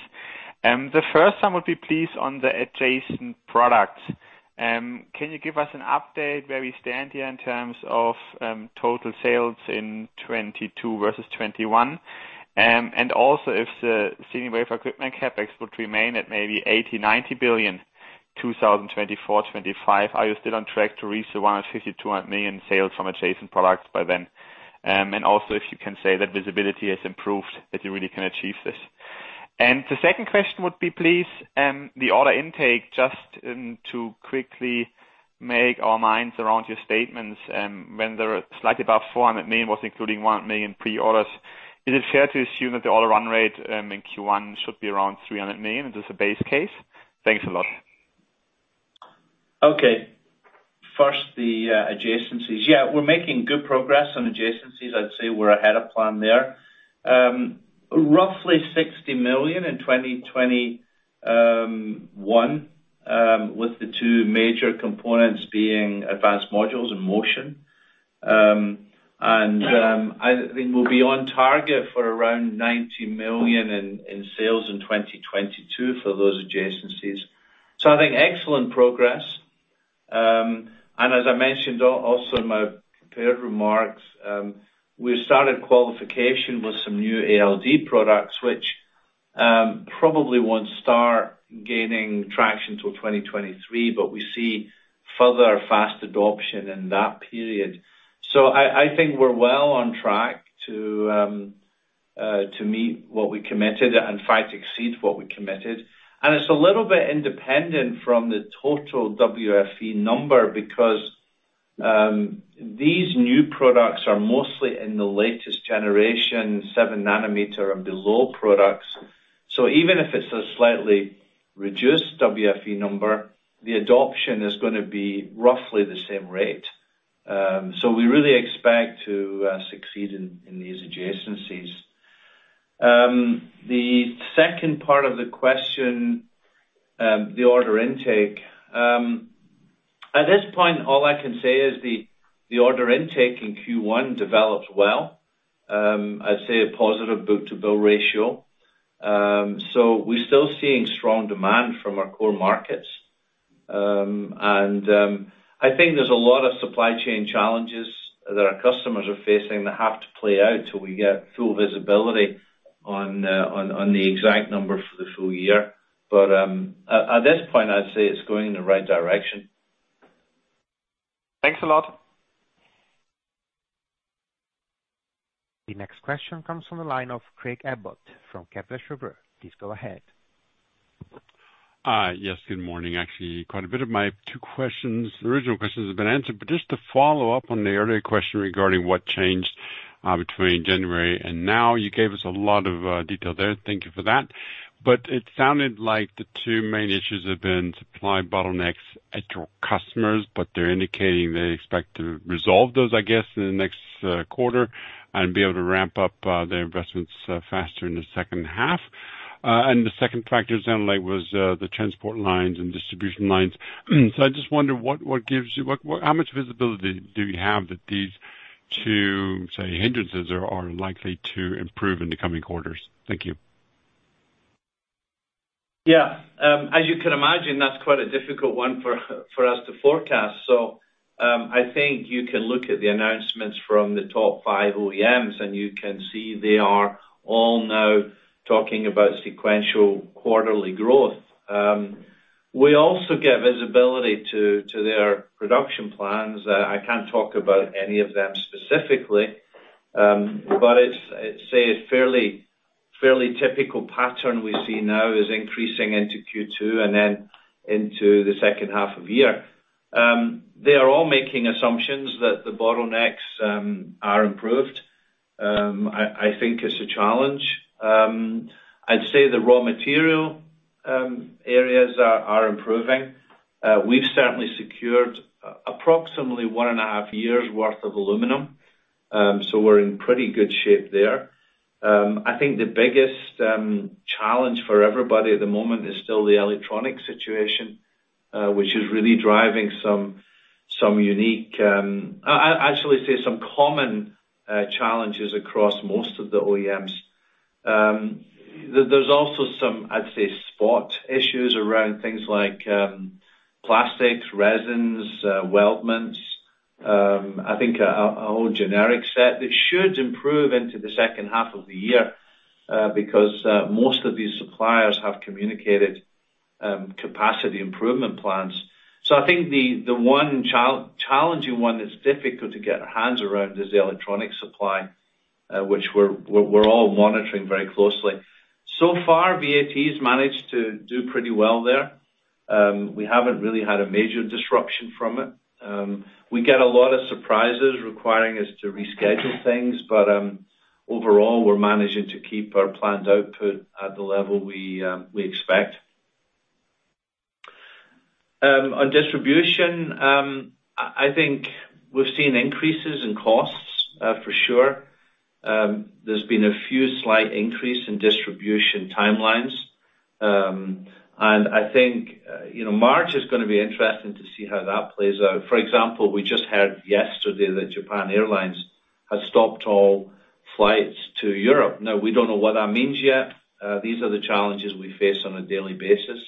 The first one would be please, on the adjacent products. Can you give us an update where we stand here in terms of total sales in 2022 versus 2021? And also if the semiconductor equipment CapEx would remain at maybe $80 billion-$90 billion, 2024-2025. Are you still on track to reach the 150 million-200 million sales from adjacent products by then? And also if you can say that visibility has improved, that you really can achieve this. The second question would be, please, the order intake, just to quickly get our minds around your statements, when they're slightly above 400 million, was including 1 million pre-orders. Is it fair to assume that the order run rate, in Q1 should be around 300 million as a base case? Thanks a lot. Okay. First, the adjacencies. Yeah, we're making good progress on adjacencies. I'd say we're ahead of plan there. Roughly CHF 60 million in 2021, with the two major components being advanced modules and motion. I think we'll be on target for around 90 million in sales in 2022 for those adjacencies. I think excellent progress. As I mentioned also in my prepared remarks, we started qualification with some new ALD products, which probably won't start gaining traction till 2023, but we see further fast adoption in that period. I think we're well on track to meet what we committed and in fact exceed what we committed. It's a little bit independent from the total WFE number because these new products are mostly in the latest generation, 7 nm and below products. Even if it's a slightly reduced WFE number, the adoption is gonna be roughly the same rate. We really expect to succeed in these adjacencies. The second part of the question, the order intake. At this point, all I can say is the order intake in Q1 developed well. I'd say a positive book-to-bill ratio. We're still seeing strong demand from our core markets. I think there's a lot of supply chain challenges that our customers are facing that have to play out till we get full visibility on the exact numbers for the full year. At this point, I'd say it's going in the right direction. Thanks a lot. The next question comes from the line of Craig Abbott from Kepler Cheuvreux. Please go ahead. Yes, good morning. Actually, quite a bit of my two original questions have been answered. Just to follow up on the earlier question regarding what changed between January and now, you gave us a lot of detail there. Thank you for that. It sounded like the two main issues have been supply bottlenecks at your customers, but they're indicating they expect to resolve those, I guess, in the next quarter and be able to ramp up their investments faster in the second half. The second factor sounded like was the transport lines and distribution lines. I just wonder how much visibility do you have that these two, say, hindrances are likely to improve in the coming quarters? Thank you. Yeah. As you can imagine, that's quite a difficult one for us to forecast. I think you can look at the announcements from the top five OEMs, and you can see they are all now talking about sequential quarterly growth. We also get visibility to their production plans. I can't talk about any of them specifically, but it's, I'd say a fairly typical pattern we see now is increasing into Q2 and then into the second half of the year. They are all making assumptions that the bottlenecks are improved. I think it's a challenge. I'd say the raw material areas are improving. We've certainly secured approximately one and a half years worth of aluminum, so we're in pretty good shape there. I think the biggest challenge for everybody at the moment is still the electronic situation, which is really driving some unique. I actually see some common challenges across most of the OEMs. There's also some I'd say spot issues around things like plastics, resins, weldments. I think a whole generic set that should improve into the second half of the year because most of these suppliers have communicated capacity improvement plans. I think the one challenging one that's difficult to get our hands around is the electronic supply, which we're all monitoring very closely. So far, VAT's managed to do pretty well there. We haven't really had a major disruption from it. We get a lot of surprises requiring us to reschedule things, but overall, we're managing to keep our planned output at the level we expect. On distribution, I think we've seen increases in costs, for sure. There's been a few slight increase in distribution timelines. And I think, you know, March is gonna be interesting to see how that plays out. For example, we just heard yesterday that Japan Airlines has stopped all flights to Europe. Now, we don't know what that means yet. These are the challenges we face on a daily basis.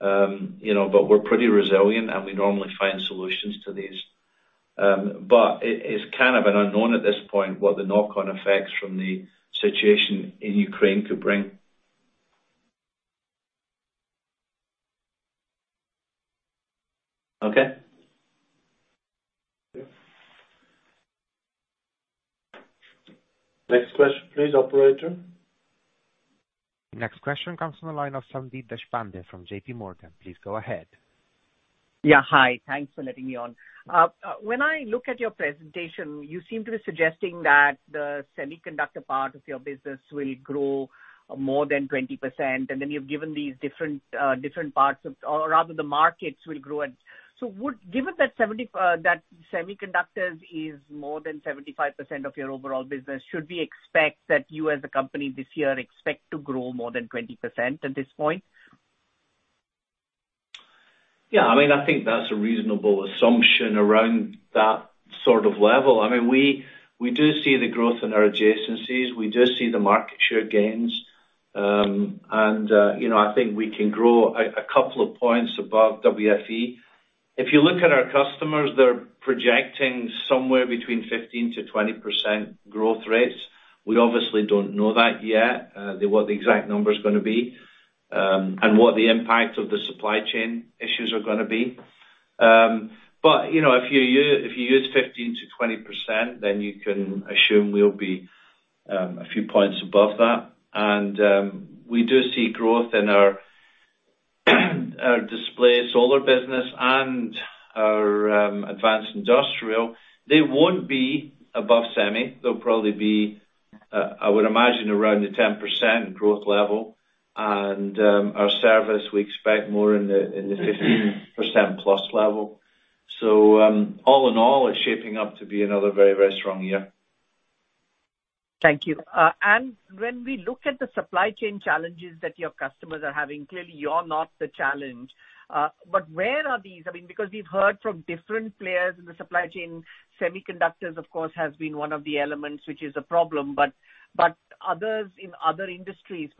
You know, but we're pretty resilient, and we normally find solutions to these. But it's kind of an unknown at this point what the knock-on effects from the situation in Ukraine could bring. Okay? Next question, please, operator. Next question comes from the line of Sandeep Deshpande from JP Morgan. Please go ahead. Yeah. Hi. Thanks for letting me on. When I look at your presentation, you seem to be suggesting that the semiconductor part of your business will grow more than 20%, and then you've given these different parts, or rather the markets will grow. Given that semiconductors is more than 75% of your overall business, should we expect that you as a company this year expect to grow more than 20% at this point? Yeah. I mean, I think that's a reasonable assumption around that sort of level. I mean, we do see the growth in our adjacencies. We do see the market share gains. You know, I think we can grow a couple of points above WFE. If you look at our customers, they're projecting somewhere between 15%-20% growth rates. We obviously don't know that yet, what the exact number is gonna be, and what the impact of the supply chain issues are gonna be. You know, if you use 15%-20%, then you can assume we'll be a few points above that. We do see growth in our display solar business and our Advanced Industrials, they won't be above semi. They'll probably be, I would imagine around the 10% growth level. Our service, we expect more in the 15%+ level. All in all, it's shaping up to be another very, very strong year. Thank you. When we look at the supply chain challenges that your customers are having, clearly you're not the challenge. Where are these? I mean, because we've heard from different players in the supply chain, semiconductors of course has been one of the elements, which is a problem. Others in other industries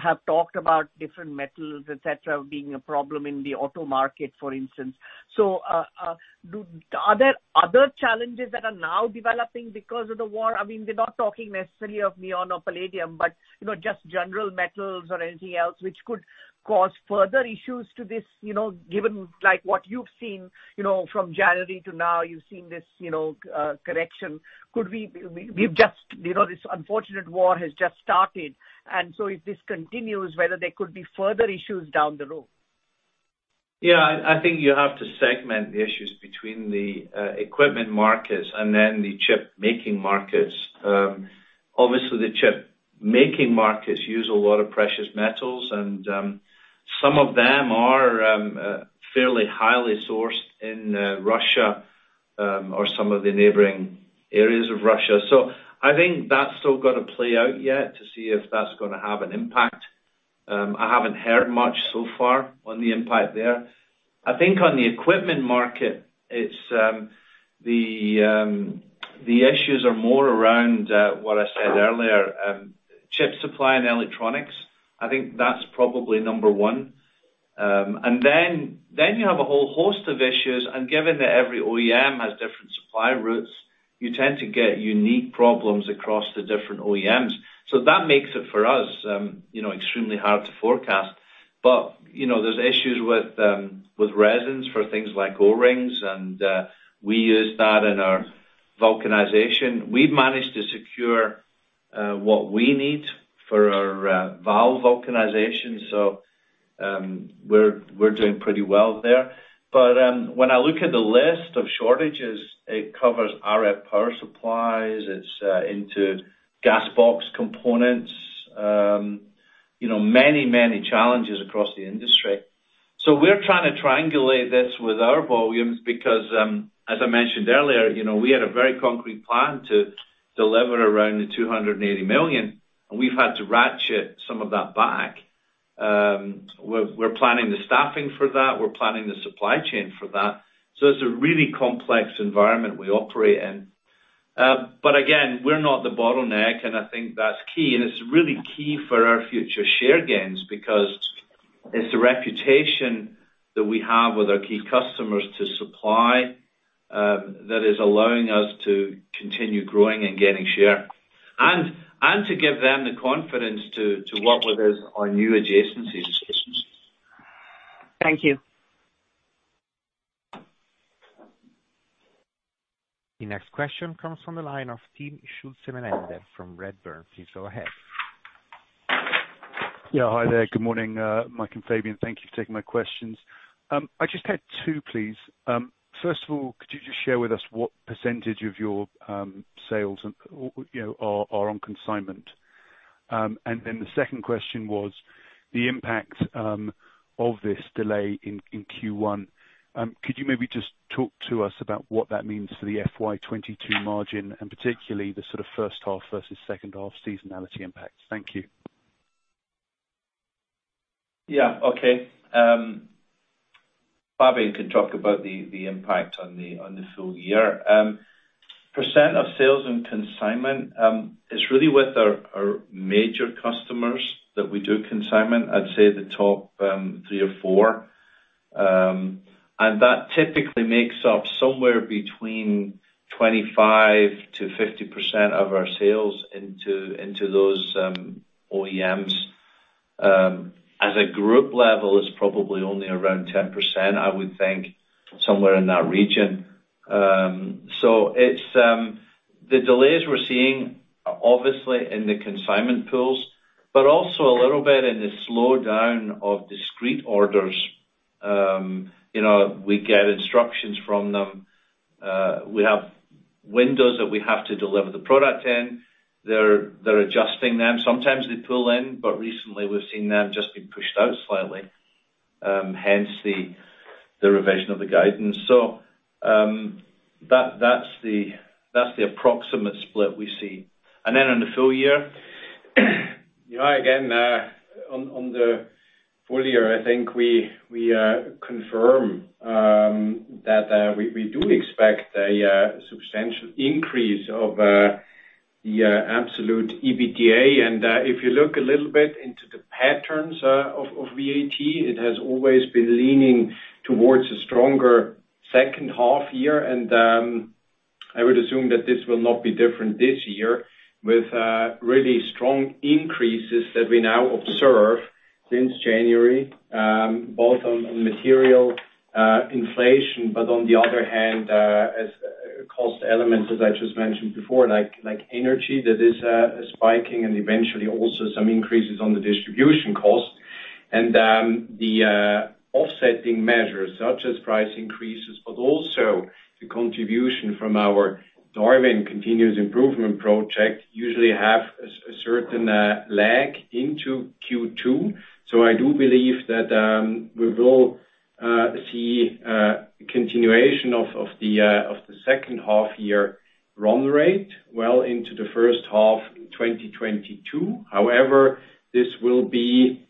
have talked about different metals, et cetera, being a problem in the auto market, for instance. Are there other challenges that are now developing because of the war? I mean, we're not talking necessarily of neon or palladium, but you know, just general metals or anything else which could cause further issues to this, you know, given like what you've seen, you know, from January to now, you've seen this, you know, correction. We've just, you know, this unfortunate war has just started, and so if this continues, whether there could be further issues down the road? Yeah. I think you have to segment the issues between the equipment markets and then the chip making markets. Obviously the chip making markets use a lot of precious metals and some of them are fairly highly sourced in Russia or some of the neighboring areas of Russia. I think that's still gotta play out yet to see if that's gonna have an impact. I haven't heard much so far on the impact there. I think on the equipment market, it's the issues are more around what I said earlier, chip supply and electronics. I think that's probably number one. Then you have a whole host of issues. Given that every OEM has different supply routes, you tend to get unique problems across the different OEMs. That makes it for us, you know, extremely hard to forecast. You know, there are issues with resins for things like O-rings and we use that in our vulcanization. We've managed to secure what we need for our valve vulcanization. We're doing pretty well there. When I look at the list of shortages, it covers RF power supplies. It's into gas box components. You know, many challenges across the industry. We're trying to triangulate this with our volumes because, as I mentioned earlier, you know, we had a very concrete plan to deliver around 280 million and we've had to ratchet some of that back. We're planning the staffing for that. We're planning the supply chain for that. It's a really complex environment we operate in. Again, we're not the bottleneck and I think that's key. It's really key for our future share gains because it's the reputation that we have with our key customers to supply that is allowing us to continue growing and gaining share and to give them the confidence to work with us on new adjacencies. Thank you. The next question comes from the line of Timm Schulze-Melander from Redburn. Please go ahead. Yeah. Hi there. Good morning, Mike and Fabian. Thank you for taking my questions. I just had 2, please. First of all, could you just share with us what percentage of your sales, you know, are on consignment? Then the second question was the impact of this delay in Q1. Could you maybe just talk to us about what that means for the FY 2022 margin and particularly the sort of first half versus second half seasonality impact? Thank you. Fabian can talk about the impact on the full year. Percent of sales and consignment is really with our major customers that we do consignment. I'd say the top three or four. That typically makes up somewhere between 25%-50% of our sales into those OEMs. As a group level, it's probably only around 10%, I would think somewhere in that region. It's the delays we're seeing obviously in the consignment pools, but also a little bit in the slowdown of discrete orders. You know, we get instructions from them. We have windows that we have to deliver the product in. They're adjusting them. Sometimes they pull in, but recently we've seen them just being pushed out slightly, hence the revision of the guidance. That's the approximate split we see. Then on the full year, Yeah. Again, on the full year, I think we confirm that we do expect a substantial increase of the absolute EBITDA. If you look a little bit into the patterns of VAT, it has always been leaning towards a stronger second half year. I would assume that this will not be different this year with really strong increases that we now observe since January, both on material inflation, but on the other hand. As cost elements, as I just mentioned before, like energy that is spiking and eventually also some increases on the distribution cost and the offsetting measures such as price increases, but also the contribution from our Darwin continuous improvement project usually have a certain lag into Q2. I do believe that we will see a continuation of the second half year run rate well into the first half in 2022. However, this will be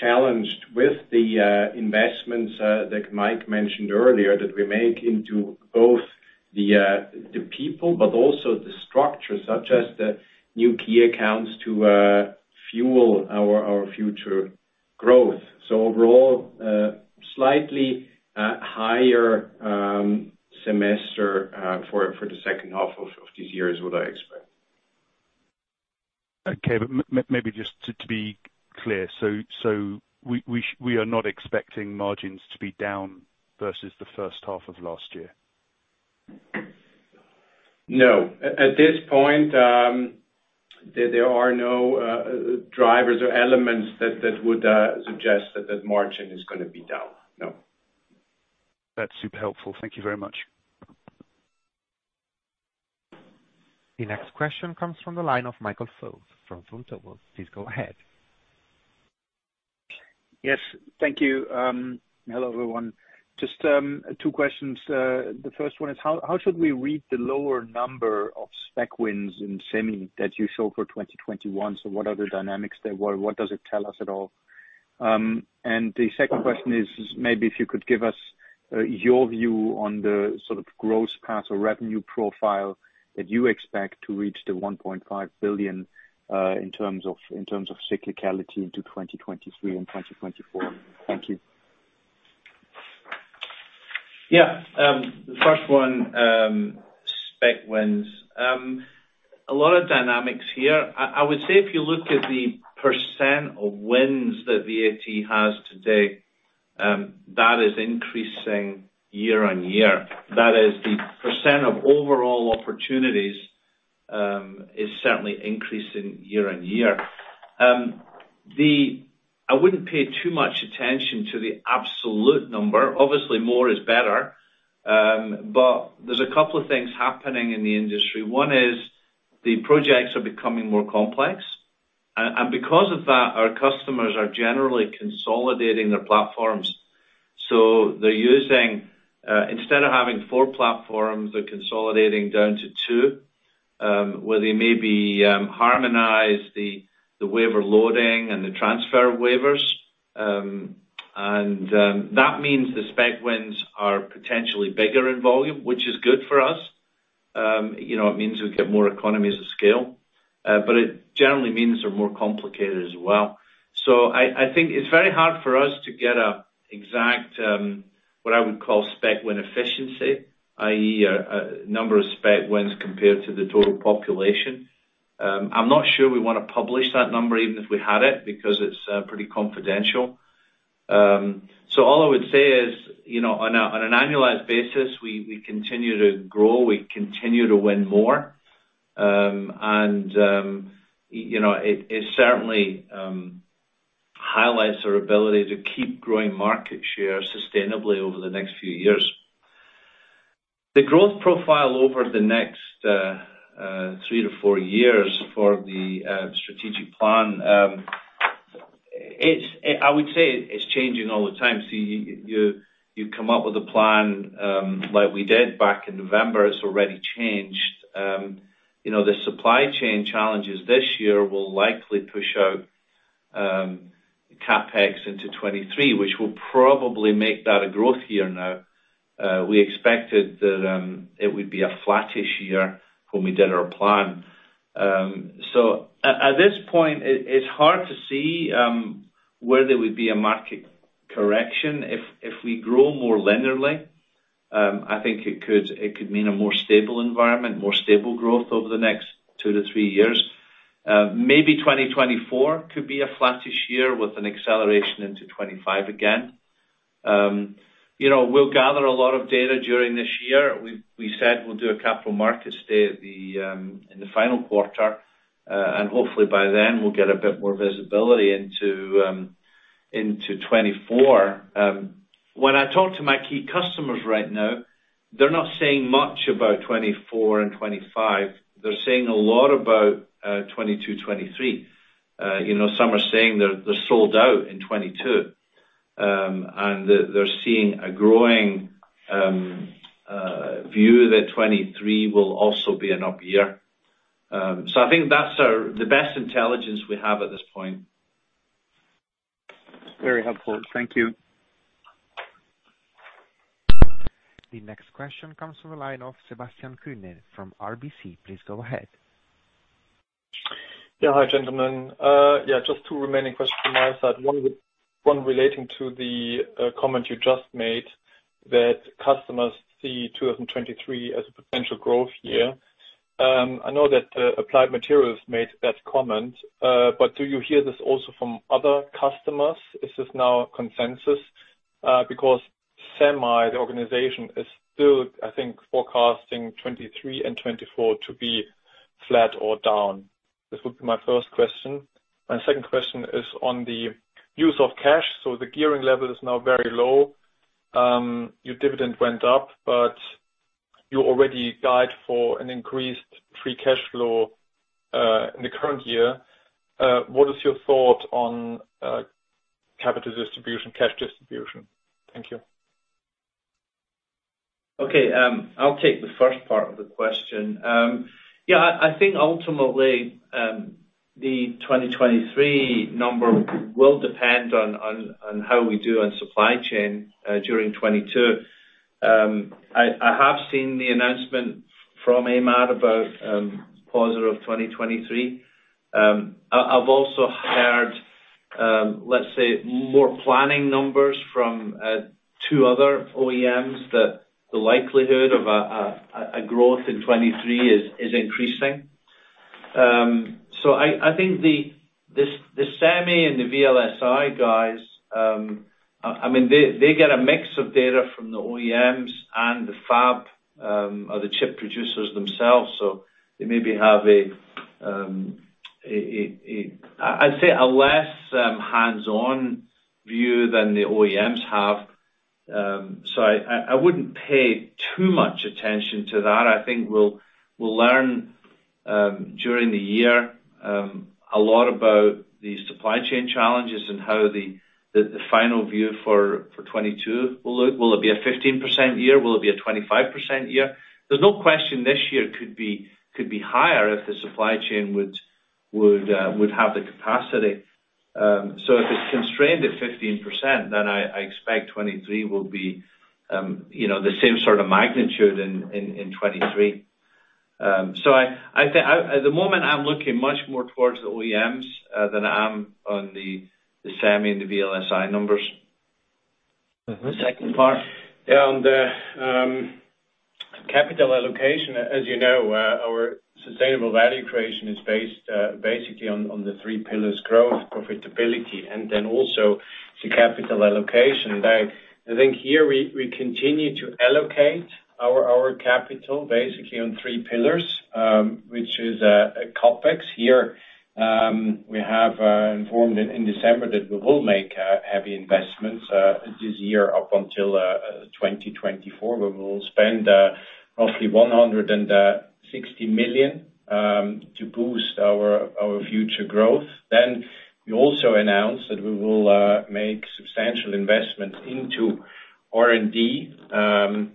challenged with the investments that Mike mentioned earlier, that we make into both the people, but also the structure, such as the new key accounts to fuel our future growth. Overall, slightly higher semester for the second half of this year is what I expect. Okay. Maybe just to be clear. We are not expecting margins to be down versus the first half of last year. No. At this point, there are no drivers or elements that would suggest that that margin is gonna be down, no. That's super helpful. Thank you very much. The next question comes from the line of Michael Foeth from Vontobel. Please go ahead. Yes. Thank you. Hello, everyone. Just two questions. The first one is how should we read the lower number of spec wins in semi that you show for 2021? What are the dynamics there? What does it tell us at all? The second question is maybe if you could give us your view on the sort of growth path or revenue profile that you expect to reach 1.5 billion in terms of cyclicality into 2023 and 2024. Thank you. Yeah. The first one, spec wins. A lot of dynamics here. I would say if you look at the percent of wins that VAT has today, that is increasing year-on-year. That is the percent of overall opportunities, is certainly increasing year-on-year. I wouldn't pay too much attention to the absolute number. Obviously more is better, but there's a couple of things happening in the industry. One is the projects are becoming more complex. Because of that, our customers are generally consolidating their platforms, so they're using, instead of having four platforms, they're consolidating down to two, where they maybe harmonize the wafer loading and the transfer wafers. That means the spec wins are potentially bigger in volume, which is good for us. You know, it means we get more economies of scale. It generally means they're more complicated as well. I think it's very hard for us to get an exact what I would call spec win efficiency, i.e., a number of spec wins compared to the total population. I'm not sure we wanna publish that number even if we had it, because it's pretty confidential. All I would say is, you know, on an annualized basis, we continue to grow, we continue to win more. You know, it certainly highlights our ability to keep growing market share sustainably over the next few years. The growth profile over the next 3-4 years for the strategic plan, I would say it's changing all the time. You come up with a plan, like we did back in November, it's already changed. You know, the supply chain challenges this year will likely push out CapEx into 2023, which will probably make that a growth year now. We expected that it would be a flattish year when we did our plan. At this point, it's hard to see whether there would be a market correction. If we grow more linearly, I think it could mean a more stable environment, more stable growth over the next two to three years. Maybe 2024 could be a flattish year with an acceleration into 2025 again. You know, we'll gather a lot of data during this year. We said we'll do a Capital Markets Day in the final quarter, and hopefully by then we'll get a bit more visibility into 2024. When I talk to my key customers right now, they're not saying much about 2024 and 2025. They're saying a lot about 2022, 2023. You know, some are saying they're sold out in 2022. And they're seeing a growing view that 2023 will also be an up year. So I think that's the best intelligence we have at this point. Very helpful. Thank you. The next question comes from the line of Sebastian Kuenne from RBC. Please go ahead. Hi, gentlemen. Yeah, just two remaining questions from my side. One relating to the comment you just made that customers see 2023 as a potential growth year. I know that Applied Materials made that comment, but do you hear this also from other customers? Is this now a consensus? Because SEMI, the organization, is still, I think, forecasting 2023 and 2024 to be flat or down. This would be my first question. My second question is on the use of cash. So the gearing level is now very low. Your dividend went up, but you already guide for an increased free cash flow in the current year. What is your thought on capital distribution, cash distribution? Thank you. Okay. I'll take the first part of the question. Yeah, I think ultimately, the 2023 number will depend on how we do on supply chain during 2022. I have seen the announcement from AMAT about pause of 2023. I've also heard, let's say more planning numbers from two other OEMs that the likelihood of a growth in 2023 is increasing. I think the Semi and the VLSI guys, I mean, they get a mix of data from the OEMs and the fab or the chip producers themselves. They maybe have a less hands-on view than the OEMs have. I wouldn't pay too much attention to that. I think we'll learn during the year a lot about the supply chain challenges and how the final view for 2022 will look. Will it be a 15% year? Will it be a 25% year? There's no question this year could be higher if the supply chain would have the capacity. If it's constrained at 15%, then I expect 2023 will be, you know, the same sort of magnitude in 2023. At the moment, I'm looking much more towards the OEMs than I am on the SEMI and the VLSI numbers. Mm-hmm. The second part? Yeah. On the capital allocation, as you know, our sustainable value creation is based basically on the three pillars growth, profitability, and then also the capital allocation. I think here we continue to allocate our capital basically on three pillars, which is CapEx. Here, we have informed in December that we will make heavy investments this year up until 2024. We will spend roughly 160 million to boost our future growth. We also announced that we will make substantial investments into R&D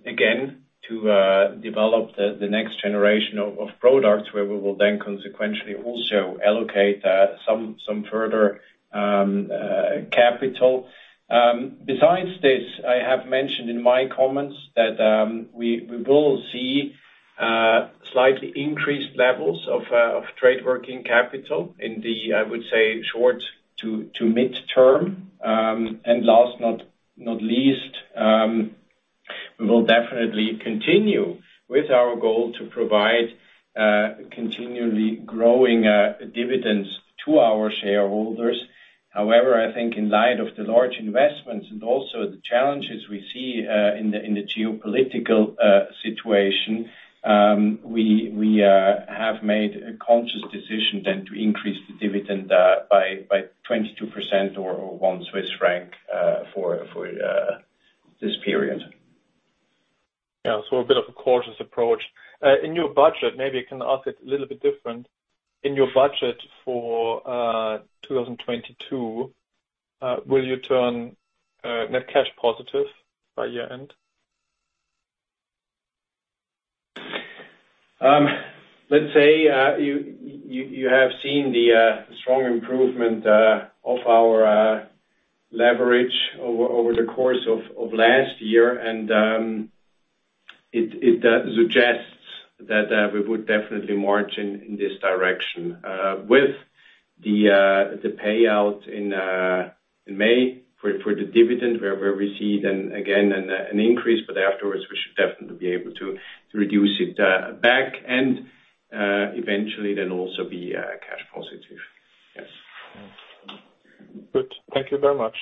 again, to develop the next generation of products where we will then consequentially also allocate some further capital. Besides this, I have mentioned in my comments that we will see slightly increased levels of trade working capital in the, I would say, short to midterm. Last but not least, we will definitely continue with our goal to provide continually growing dividends to our shareholders. However, I think in light of the large investments and also the challenges we see in the geopolitical situation, we have made a conscious decision to increase the dividend by 22% or 1 Swiss franc for this period. A bit of a cautious approach. In your budget, maybe I can ask it a little bit different. In your budget for 2022, will you turn net cash positive by year-end? Let's say, you have seen the strong improvement of our leverage over the course of last year. It suggests that we would definitely march in this direction. With the payout in May for the dividend where we'll receive then again an increase, but afterwards we should definitely be able to reduce it back and eventually then also be cash positive. Yes. Good. Thank you very much.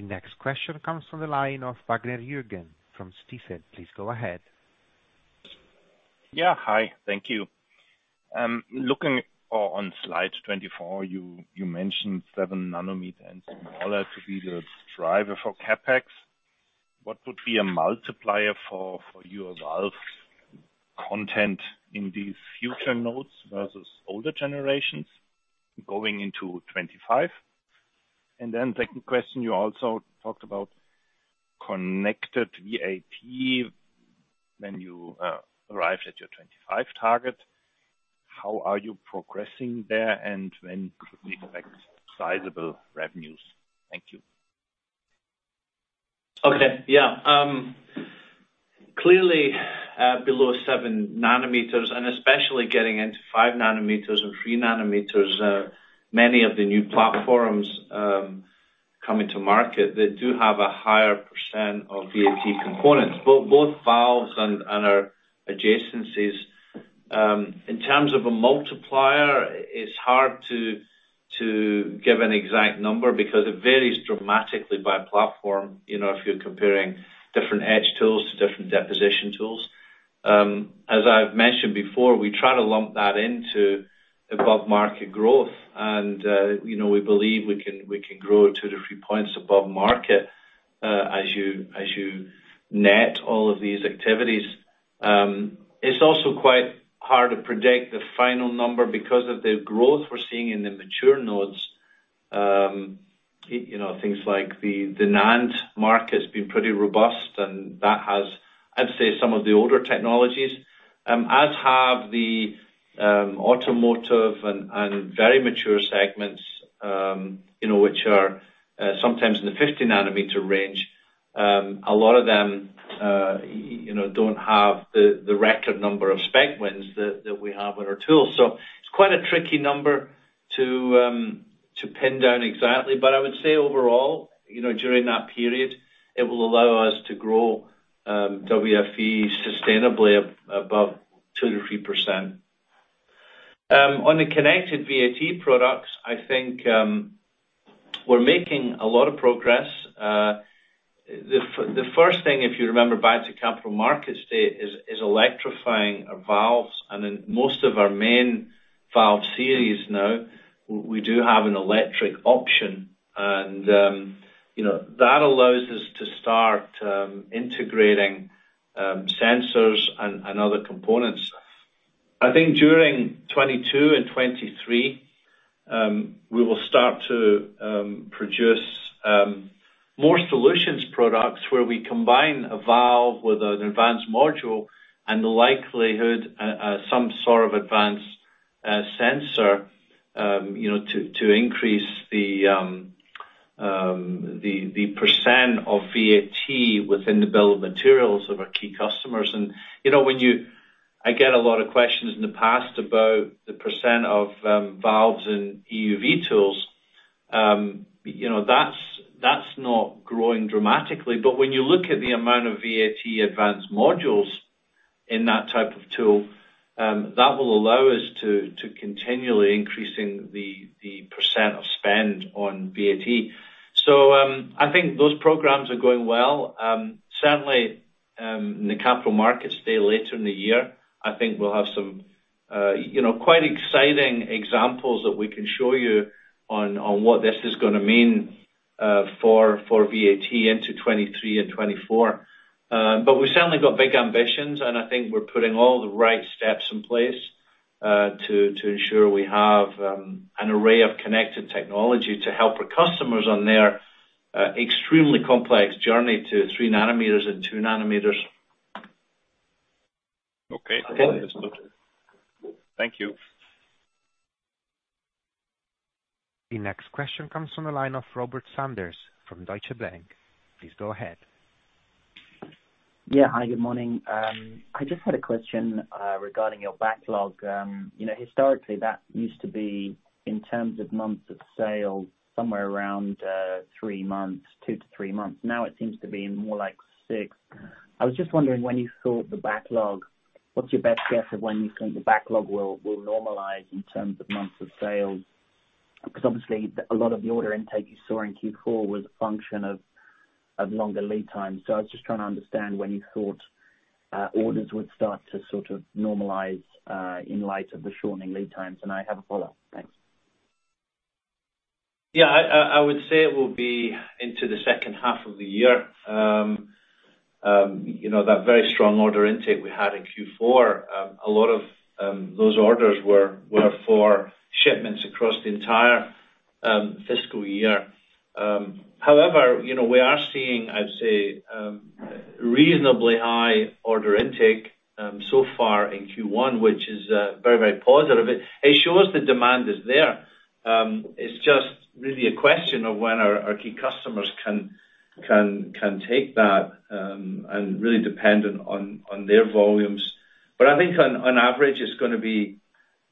The next question comes from the line of Jürgen Wagner from Stifel. Please go ahead. Yeah. Hi. Thank you. Looking on slide 24, you mentioned 7 nm and smaller to be the driver for CapEx. What would be a multiplier for your Valve content in these future nodes versus older generations going into 2025? And then second question, you also talked about Connected VAT when you arrived at your 2025 target. How are you progressing there, and when could we expect sizable revenues? Thank you. Okay. Yeah. Clearly, below 7 nm, and especially getting into 5 nm and 3 nm, many of the new platforms coming to market, they do have a higher percent of VAT components. But both Valves and our adjacencies, in terms of a multiplier, it's hard to give an exact number because it varies dramatically by platform, you know, if you're comparing different etch tools to different deposition tools. As I've mentioned before, we try to lump that into above market growth and, you know, we believe we can grow 2%-3% above market, as you net all of these activities. It's also quite hard to predict the final number because of the growth we're seeing in the mature nodes. You know, things like the NAND market has been pretty robust, and that has, I'd say, some of the older technologies, as have the automotive and very mature segments, you know, which are sometimes in the 50 nanometer range. A lot of them, you know, don't have the record number of spec wins that we have with our tools. So it's quite a tricky number to pin down exactly. But I would say overall, you know, during that period, it will allow us to grow WFE sustainably above 2%-3%. On the Connected VAT products, I think we're making a lot of progress. The first thing, if you remember back to Capital Markets Day, is electrifying our valves. In most of our main valve series now, we do have an electric option, and you know, that allows us to start integrating sensors and other components. I think during 2022 and 2023, we will start to produce more solutions products where we combine a valve with an advanced module and likely some sort of advanced sensor you know to increase the percent of VAT within the bill of materials of our key customers. You know, I get a lot of questions in the past about the percent of valves in EUV tools. You know, that's not growing dramatically. When you look at the amount of VAT advanced modules in that type of tool, that will allow us to continually increasing the percent of spend on VAT. I think those programs are going well. Certainly, in the Capital Markets Day later in the year, I think we'll have some, you know, quite exciting examples that we can show you on what this is gonna mean for VAT into 2023 and 2024. We certainly got big ambitions, and I think we're putting all the right steps in place to ensure we have an array of connected technology to help our customers on their extremely complex journey to 3 nm and 2 nm. Okay. Thank you. The next question comes from the line of Robert Sanders from Deutsche Bank. Please go ahead. Yeah. Hi, good morning. I just had a question regarding your backlog. You know, historically, that used to be, in terms of months of sales, somewhere around 3 months, 2-3 months. Now it seems to be more like 6. I was just wondering when you thought the backlog... What's your best guess of when you think the backlog will normalize in terms of months of sales? Because obviously a lot of the order intake you saw in Q4 was a function of longer lead time. I was just trying to understand when you thought orders would start to sort of normalize in light of the shortening lead times. I have a follow-up. Thanks. Yeah. I would say it will be into the second half of the year. You know, that very strong order intake we had in Q4, a lot of those orders were for shipments across the entire fiscal year. However, you know, we are seeing, I'd say, reasonably high order intake so far in Q1, which is very, very positive. It shows the demand is there. It's just really a question of when our key customers can take that, and really dependent on their volumes. I think on average, it's gonna be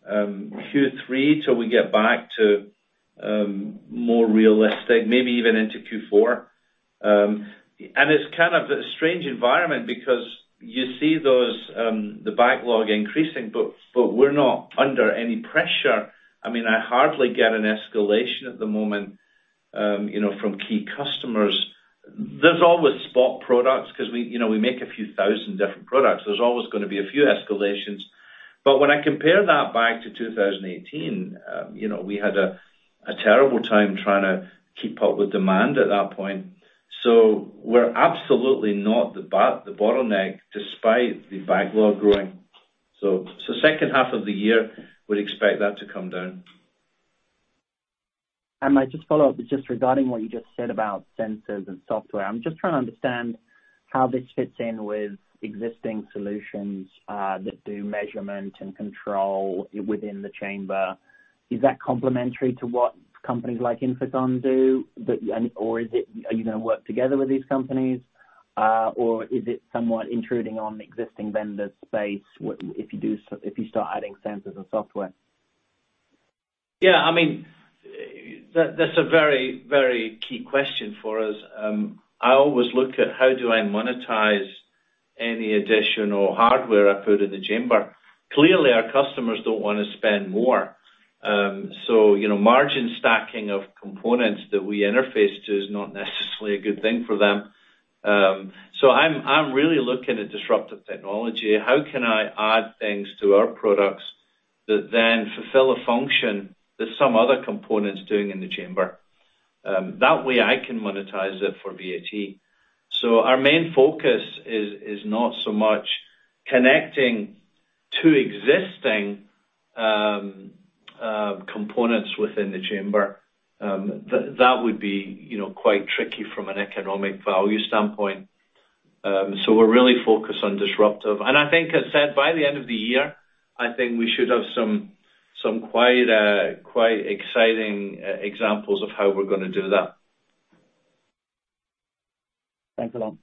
Q3 till we get back to more realistic, maybe even into Q4. It's kind of a strange environment because you see those the backlog increasing, but we're not under any pressure. I mean, I hardly get an escalation at the moment, you know, from key customers. There's always spot products 'cause we, you know, we make a few thousand different products. There's always gonna be a few escalations. When I compare that back to 2018, you know, we had a terrible time trying to keep up with demand at that point. We're absolutely not the bottleneck despite the backlog growing. Second half of the year, we'd expect that to come down. Might just follow up with just regarding what you just said about sensors and software. I'm just trying to understand how this fits in with existing solutions that do measurement and control within the chamber. Is that complementary to what companies like INFICON do? And/or is it, are you gonna work together with these companies, or is it somewhat intruding on existing vendors' space if you start adding sensors and software? I mean, that's a very, very key question for us. I always look at how do I monetize any additional hardware I put in the chamber. Clearly, our customers don't wanna spend more. You know, margin stacking of components that we interface to is not necessarily a good thing for them. I'm really looking at disruptive technology. How can I add things to our products that then fulfill a function that some other component's doing in the chamber? That way I can monetize it for VAT. Our main focus is not so much connecting to existing components within the chamber. That would be, you know, quite tricky from an economic value standpoint. We're really focused on disruptive. I think I said, by the end of the year, I think we should have some quite exciting examples of how we're gonna do that. Thanks a lot.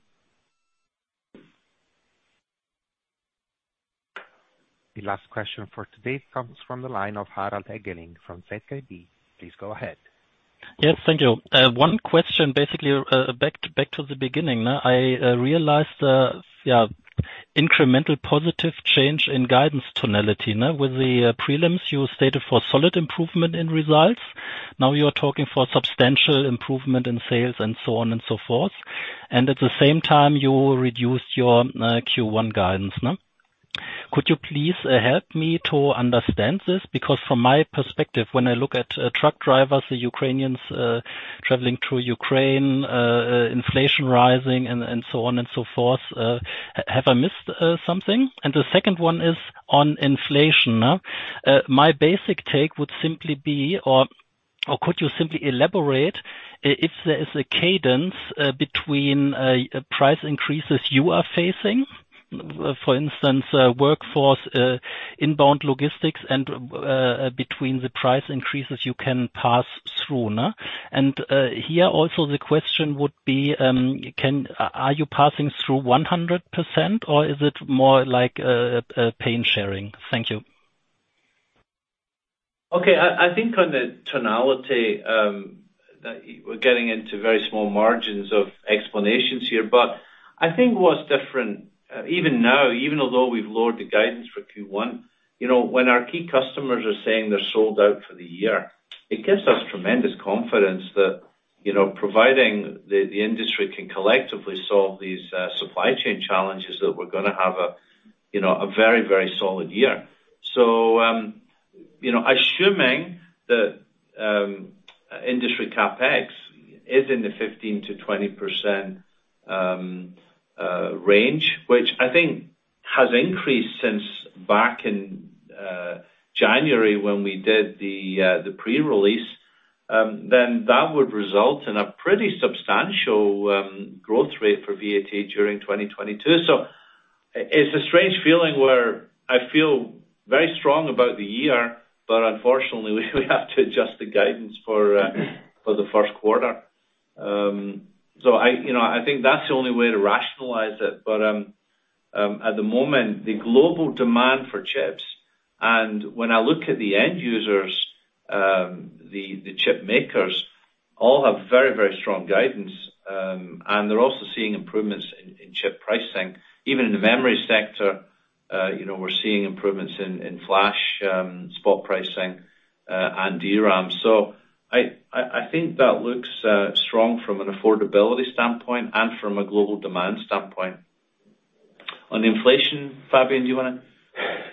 The last question for today comes from the line of Harald Eggeling from ZKB. Please go ahead. Yes, thank you. One question, basically, back to the beginning. I realized yeah, incremental positive change in guidance tonality, with the prelims you stated for solid improvement in results. Now you're talking for substantial improvement in sales and so on and so forth. At the same time, you reduced your Q1 guidance. Could you please help me to understand this? Because from my perspective, when I look at truck drivers, the Ukrainians, traveling through Ukraine, inflation rising and so on and so forth, have I missed something? The second one is on inflation. My basic take would simply be, could you simply elaborate if there is a cadence between price increases you are facing, for instance, workforce, inbound logistics, and the price increases you can pass through? Here also the question would be, are you passing through 100% or is it more like pain sharing? Thank you. Okay. I think on the tonality, we're getting into very small margins of explanations here, but I think what's different even now, even though we've lowered the guidance for Q1, you know, when our key customers are saying they're sold out for the year, it gives us tremendous confidence that, you know, providing the industry can collectively solve these supply chain challenges, that we're gonna have a very, very solid year. Assuming that industry CapEx is in the 15%-20% range, which I think has increased since back in January when we did the pre-release, then that would result in a pretty substantial growth rate for VAT during 2022. It's a strange feeling where I feel very strong about the year, but unfortunately we have to adjust the guidance for the first quarter. I you know think that's the only way to rationalize it. At the moment, the global demand for chips, and when I look at the end users, the chip makers all have very strong guidance, and they're also seeing improvements in chip pricing. Even in the memory sector, you know, we're seeing improvements in flash spot pricing and DRAM. I think that looks strong from an affordability standpoint and from a global demand standpoint. On inflation, Fabian, do you wanna?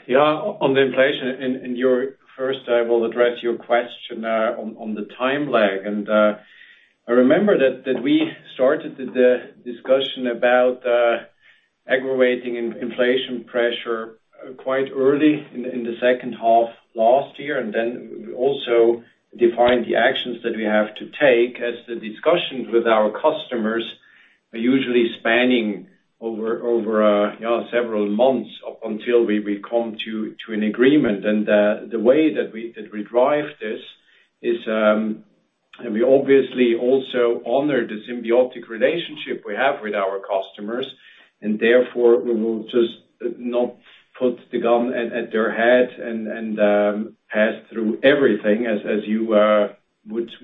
Yeah. On the inflation and your first, I will address your question on the time lag. I remember that we started the discussion about aggravating inflation pressure quite early in the second half last year, and then we also defined the actions that we have to take as the discussions with our customers are usually spanning over you know several months up until we come to an agreement. The way that we drive this is we obviously also honor the symbiotic relationship we have with our customers, and therefore we will just not put the gun at their head and pass through everything as you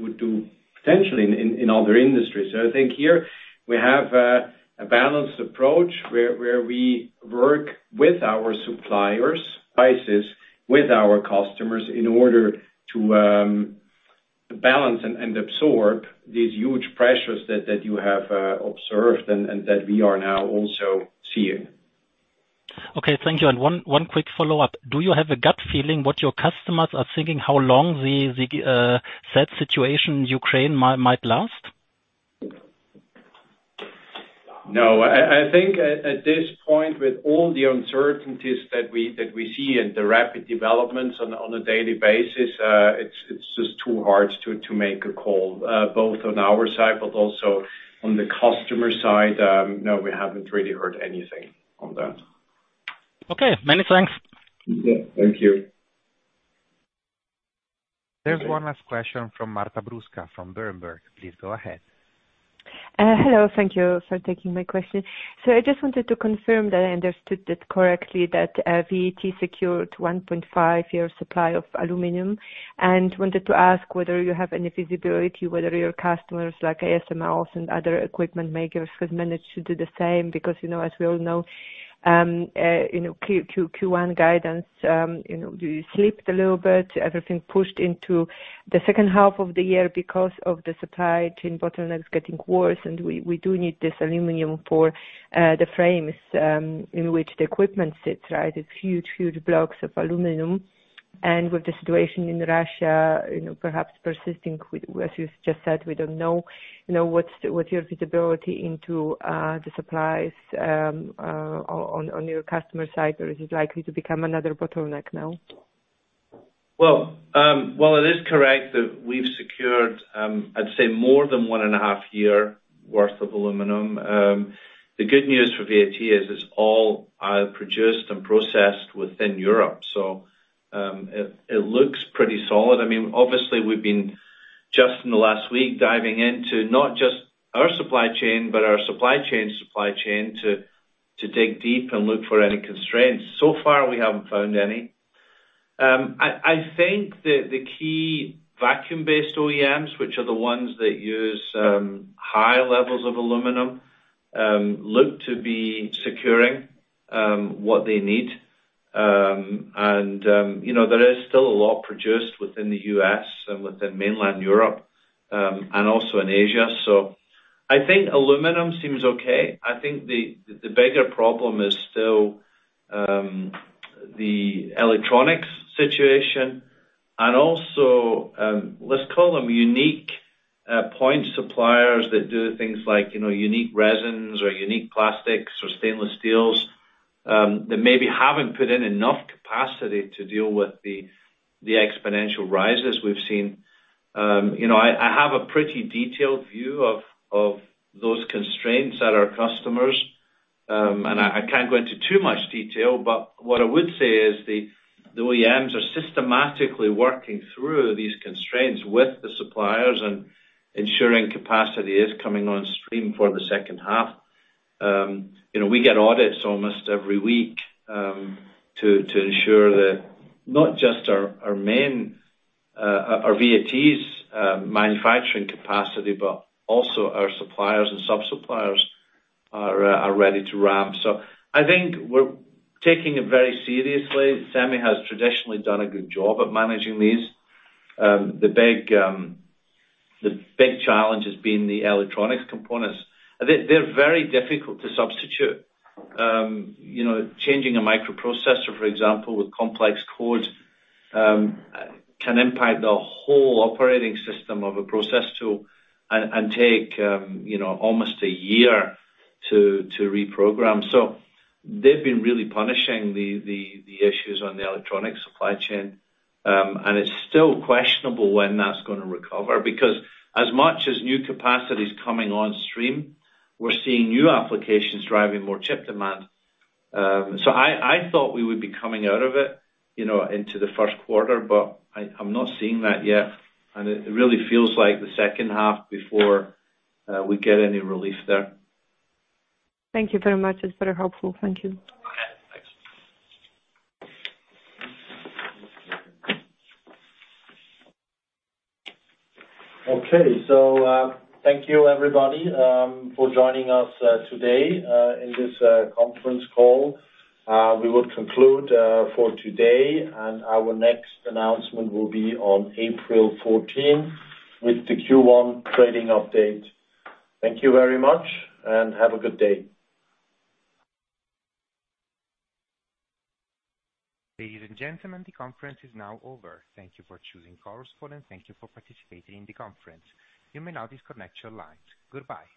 would do potentially in other industries. I think here we have a balanced approach where we work with our suppliers, prices with our customers in order to balance and absorb these huge pressures that you have observed and that we are now also seeing. Okay. Thank you. One quick follow-up. Do you have a gut feeling what your customers are thinking how long the said situation Ukraine might last? No. I think at this point, with all the uncertainties that we see and the rapid developments on a daily basis, it's just too hard to make a call both on our side but also on the customer side. No, we haven't really heard anything on that. Okay. Many thanks. Yeah. Thank you. There's one last question from Marta Bruska, from Berenberg. Please go ahead. Hello. Thank you for taking my question. I just wanted to confirm that I understood it correctly, that VAT secured 1.5-year supply of aluminum, and wanted to ask whether you have any visibility whether your customers, like ASMLs and other equipment makers, have managed to do the same. Because, you know, as we all know, you know, Q1 guidance, you know, you slipped a little bit, everything pushed into the second half of the year because of the supply chain bottlenecks getting worse, and we do need this aluminum for the frames in which the equipment sits, right? It's huge blocks of aluminum. With the situation in Russia, you know, perhaps persisting with... As you've just said, we don't know, you know, what's your visibility into the supplies on your customer side, or is it likely to become another bottleneck now? While it is correct that we've secured, I'd say more than 1.5 years' worth of aluminum, the good news for VAT is it's all produced and processed within Europe. It looks pretty solid. I mean, obviously we've been, just in the last week, diving into not just our supply chain, but our supply chain's supply chain to dig deep and look for any constraints. So far we haven't found any. I think that the key vacuum-based OEMs, which are the ones that use high levels of aluminum, look to be securing what they need. You know, there is still a lot produced within the U.S. and within mainland Europe, and also in Asia. I think aluminum seems okay. I think the bigger problem is still the electronics situation and also let's call them unique point suppliers that do things like you know unique resins or unique plastics or stainless steels that maybe haven't put in enough capacity to deal with the exponential rises we've seen. You know I have a pretty detailed view of those constraints at our customers. And I can't go into too much detail but what I would say is the OEMs are systematically working through these constraints with the suppliers and ensuring capacity is coming on stream for the second half. You know we get audits almost every week to ensure that not just our main VATs manufacturing capacity but also our suppliers and sub-suppliers are ready to ramp. I think we're taking it very seriously. SEMI has traditionally done a good job at managing these. The big challenge has been the electronic components. They're very difficult to substitute. You know, changing a microprocessor, for example, with complex codes, can impact the whole operating system of a process tool and take almost a year to reprogram. They've been really pushing the issues on the electronic supply chain. It's still questionable when that's gonna recover because as much as new capacity is coming on stream, we're seeing new applications driving more chip demand. I thought we would be coming out of it, you know, into the first quarter, but I'm not seeing that yet, and it really feels like the second half before we get any relief there. Thank you very much. It's very helpful. Thank you. Okay, thanks. Thank you everybody for joining us today in this conference call. We will conclude for today and our next announcement will be on April 14th with the Q1 trading update. Thank you very much and have a good day. Ladies and gentlemen, the conference is now over. Thank you for choosing conference call, and thank you for participating in the conference. You may now disconnect your lines. Goodbye.